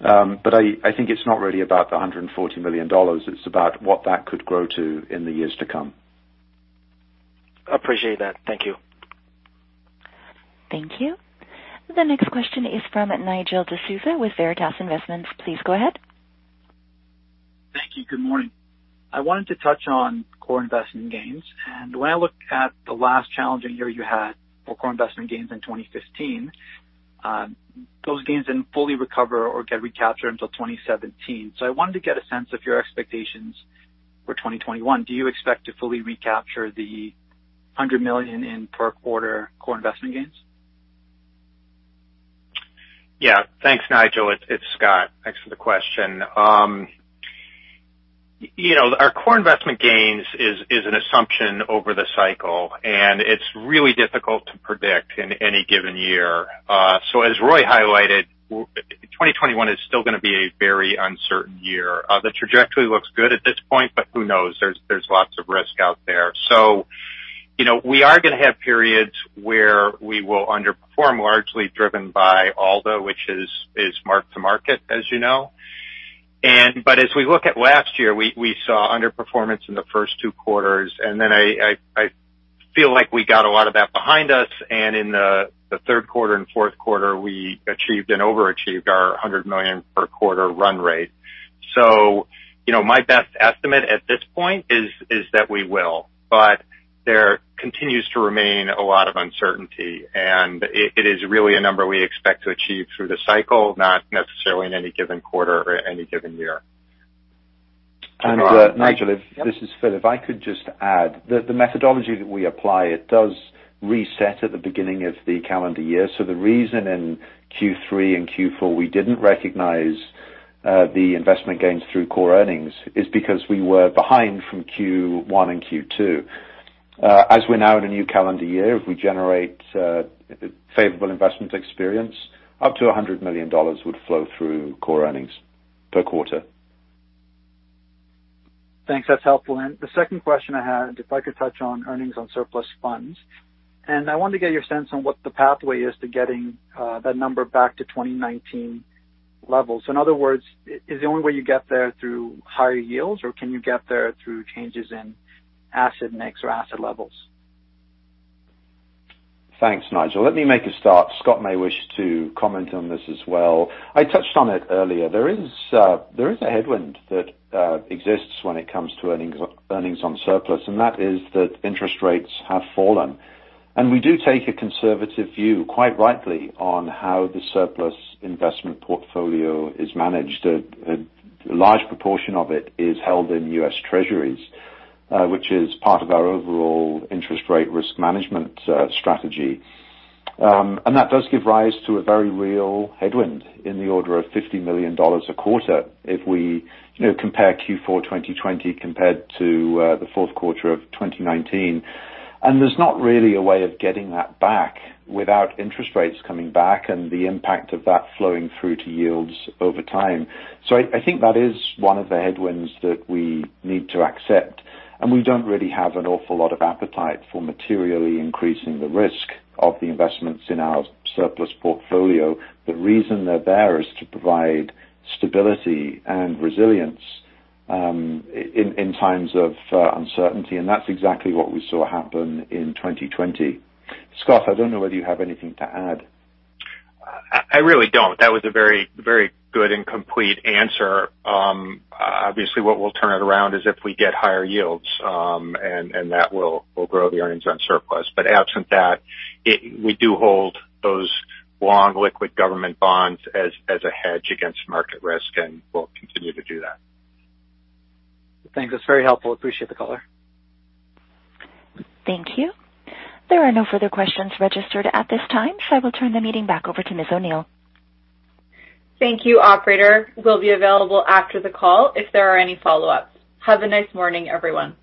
I think it's not really about the $140 million. It's about what that could grow to in the years to come. Appreciate that. Thank you. Thank you. The next question is from Nigel D'Souza with Veritas Investments. Please go ahead. Thank you. Good morning. I wanted to touch on core investment gains. When I look at the last challenging year you had for core investment gains in 2015, those gains did not fully recover or get recaptured until 2017. I wanted to get a sense of your expectations for 2021. Do you expect to fully recapture the $100 million in per quarter core investment gains? Yeah. Thanks, Nigel. It's Scott. Thanks for the question. Our core investment gains is an assumption over the cycle. It is really difficult to predict in any given year. As Roy highlighted, 2021 is still going to be a very uncertain year. The trajectory looks good at this point. Who knows? There is lots of risk out there. We are going to have periods where we will underperform, largely driven by although, which is marked to market, as you know. As we look at last year, we saw underperformance in the first two quarters. I feel like we got a lot of that behind us. In the third quarter and fourth quarter, we achieved and overachieved our $100 million per quarter run rate. My best estimate at this point is that we will. There continues to remain a lot of uncertainty. It is really a number we expect to achieve through the cycle, not necessarily in any given quarter or any given year. Nigel, this is Philip. I could just add, the methodology that we apply does reset at the beginning of the calendar year. The reason in Q3 and Q4 we did not recognize the investment gains through core earnings is because we were behind from Q1 and Q2. As we're now in a new calendar year, if we generate favorable investment experience, up to $100 million would flow through core earnings per quarter. Thanks. That's helpful. The second question I had, if I could touch on earnings on surplus funds. I wanted to get your sense on what the pathway is to getting that number back to 2019 levels. In other words, is the only way you get there through higher yields? Or can you get there through changes in asset mix or asset levels? Thanks, Nigel. Let me make a start. Scott may wish to comment on this as well. I touched on it earlier. There is a headwind that exists when it comes to earnings on surplus. That is that interest rates have fallen. We do take a conservative view, quite rightly, on how the surplus investment portfolio is managed.A large proportion of it is held in US Treasuries, which is part of our overall interest rate risk management strategy. That does give rise to a very real headwind in the order of $50 million a quarter if we compare Q4 2020 compared to the fourth quarter of 2019. There is not really a way of getting that back without interest rates coming back and the impact of that flowing through to yields over time. I think that is one of the headwinds that we need to accept. We do not really have an awful lot of appetite for materially increasing the risk of the investments in our surplus portfolio. The reason they are there is to provide stability and resilience in times of uncertainty. That is exactly what we saw happen in 2020. Scott, I do not know whether you have anything to add. I really do not. That was a very good and complete answer. Obviously, what will turn it around is if we get higher yields, and that will grow the earnings on surplus. Absent that, we do hold those long liquid government bonds as a hedge against market risk, and we'll continue to do that. Thanks. That's very helpful. Appreciate the color. Thank you. There are no further questions registered at this time. I will turn the meeting back over to Ms. O'Neill. Thank you, operator. We'll be available after the call if there are any follow-ups. Have a nice morning, everyone.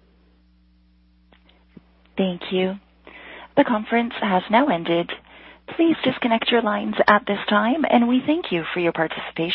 Thank you. The conference has now ended. Please disconnect your lines at this time, and we thank you for your participation.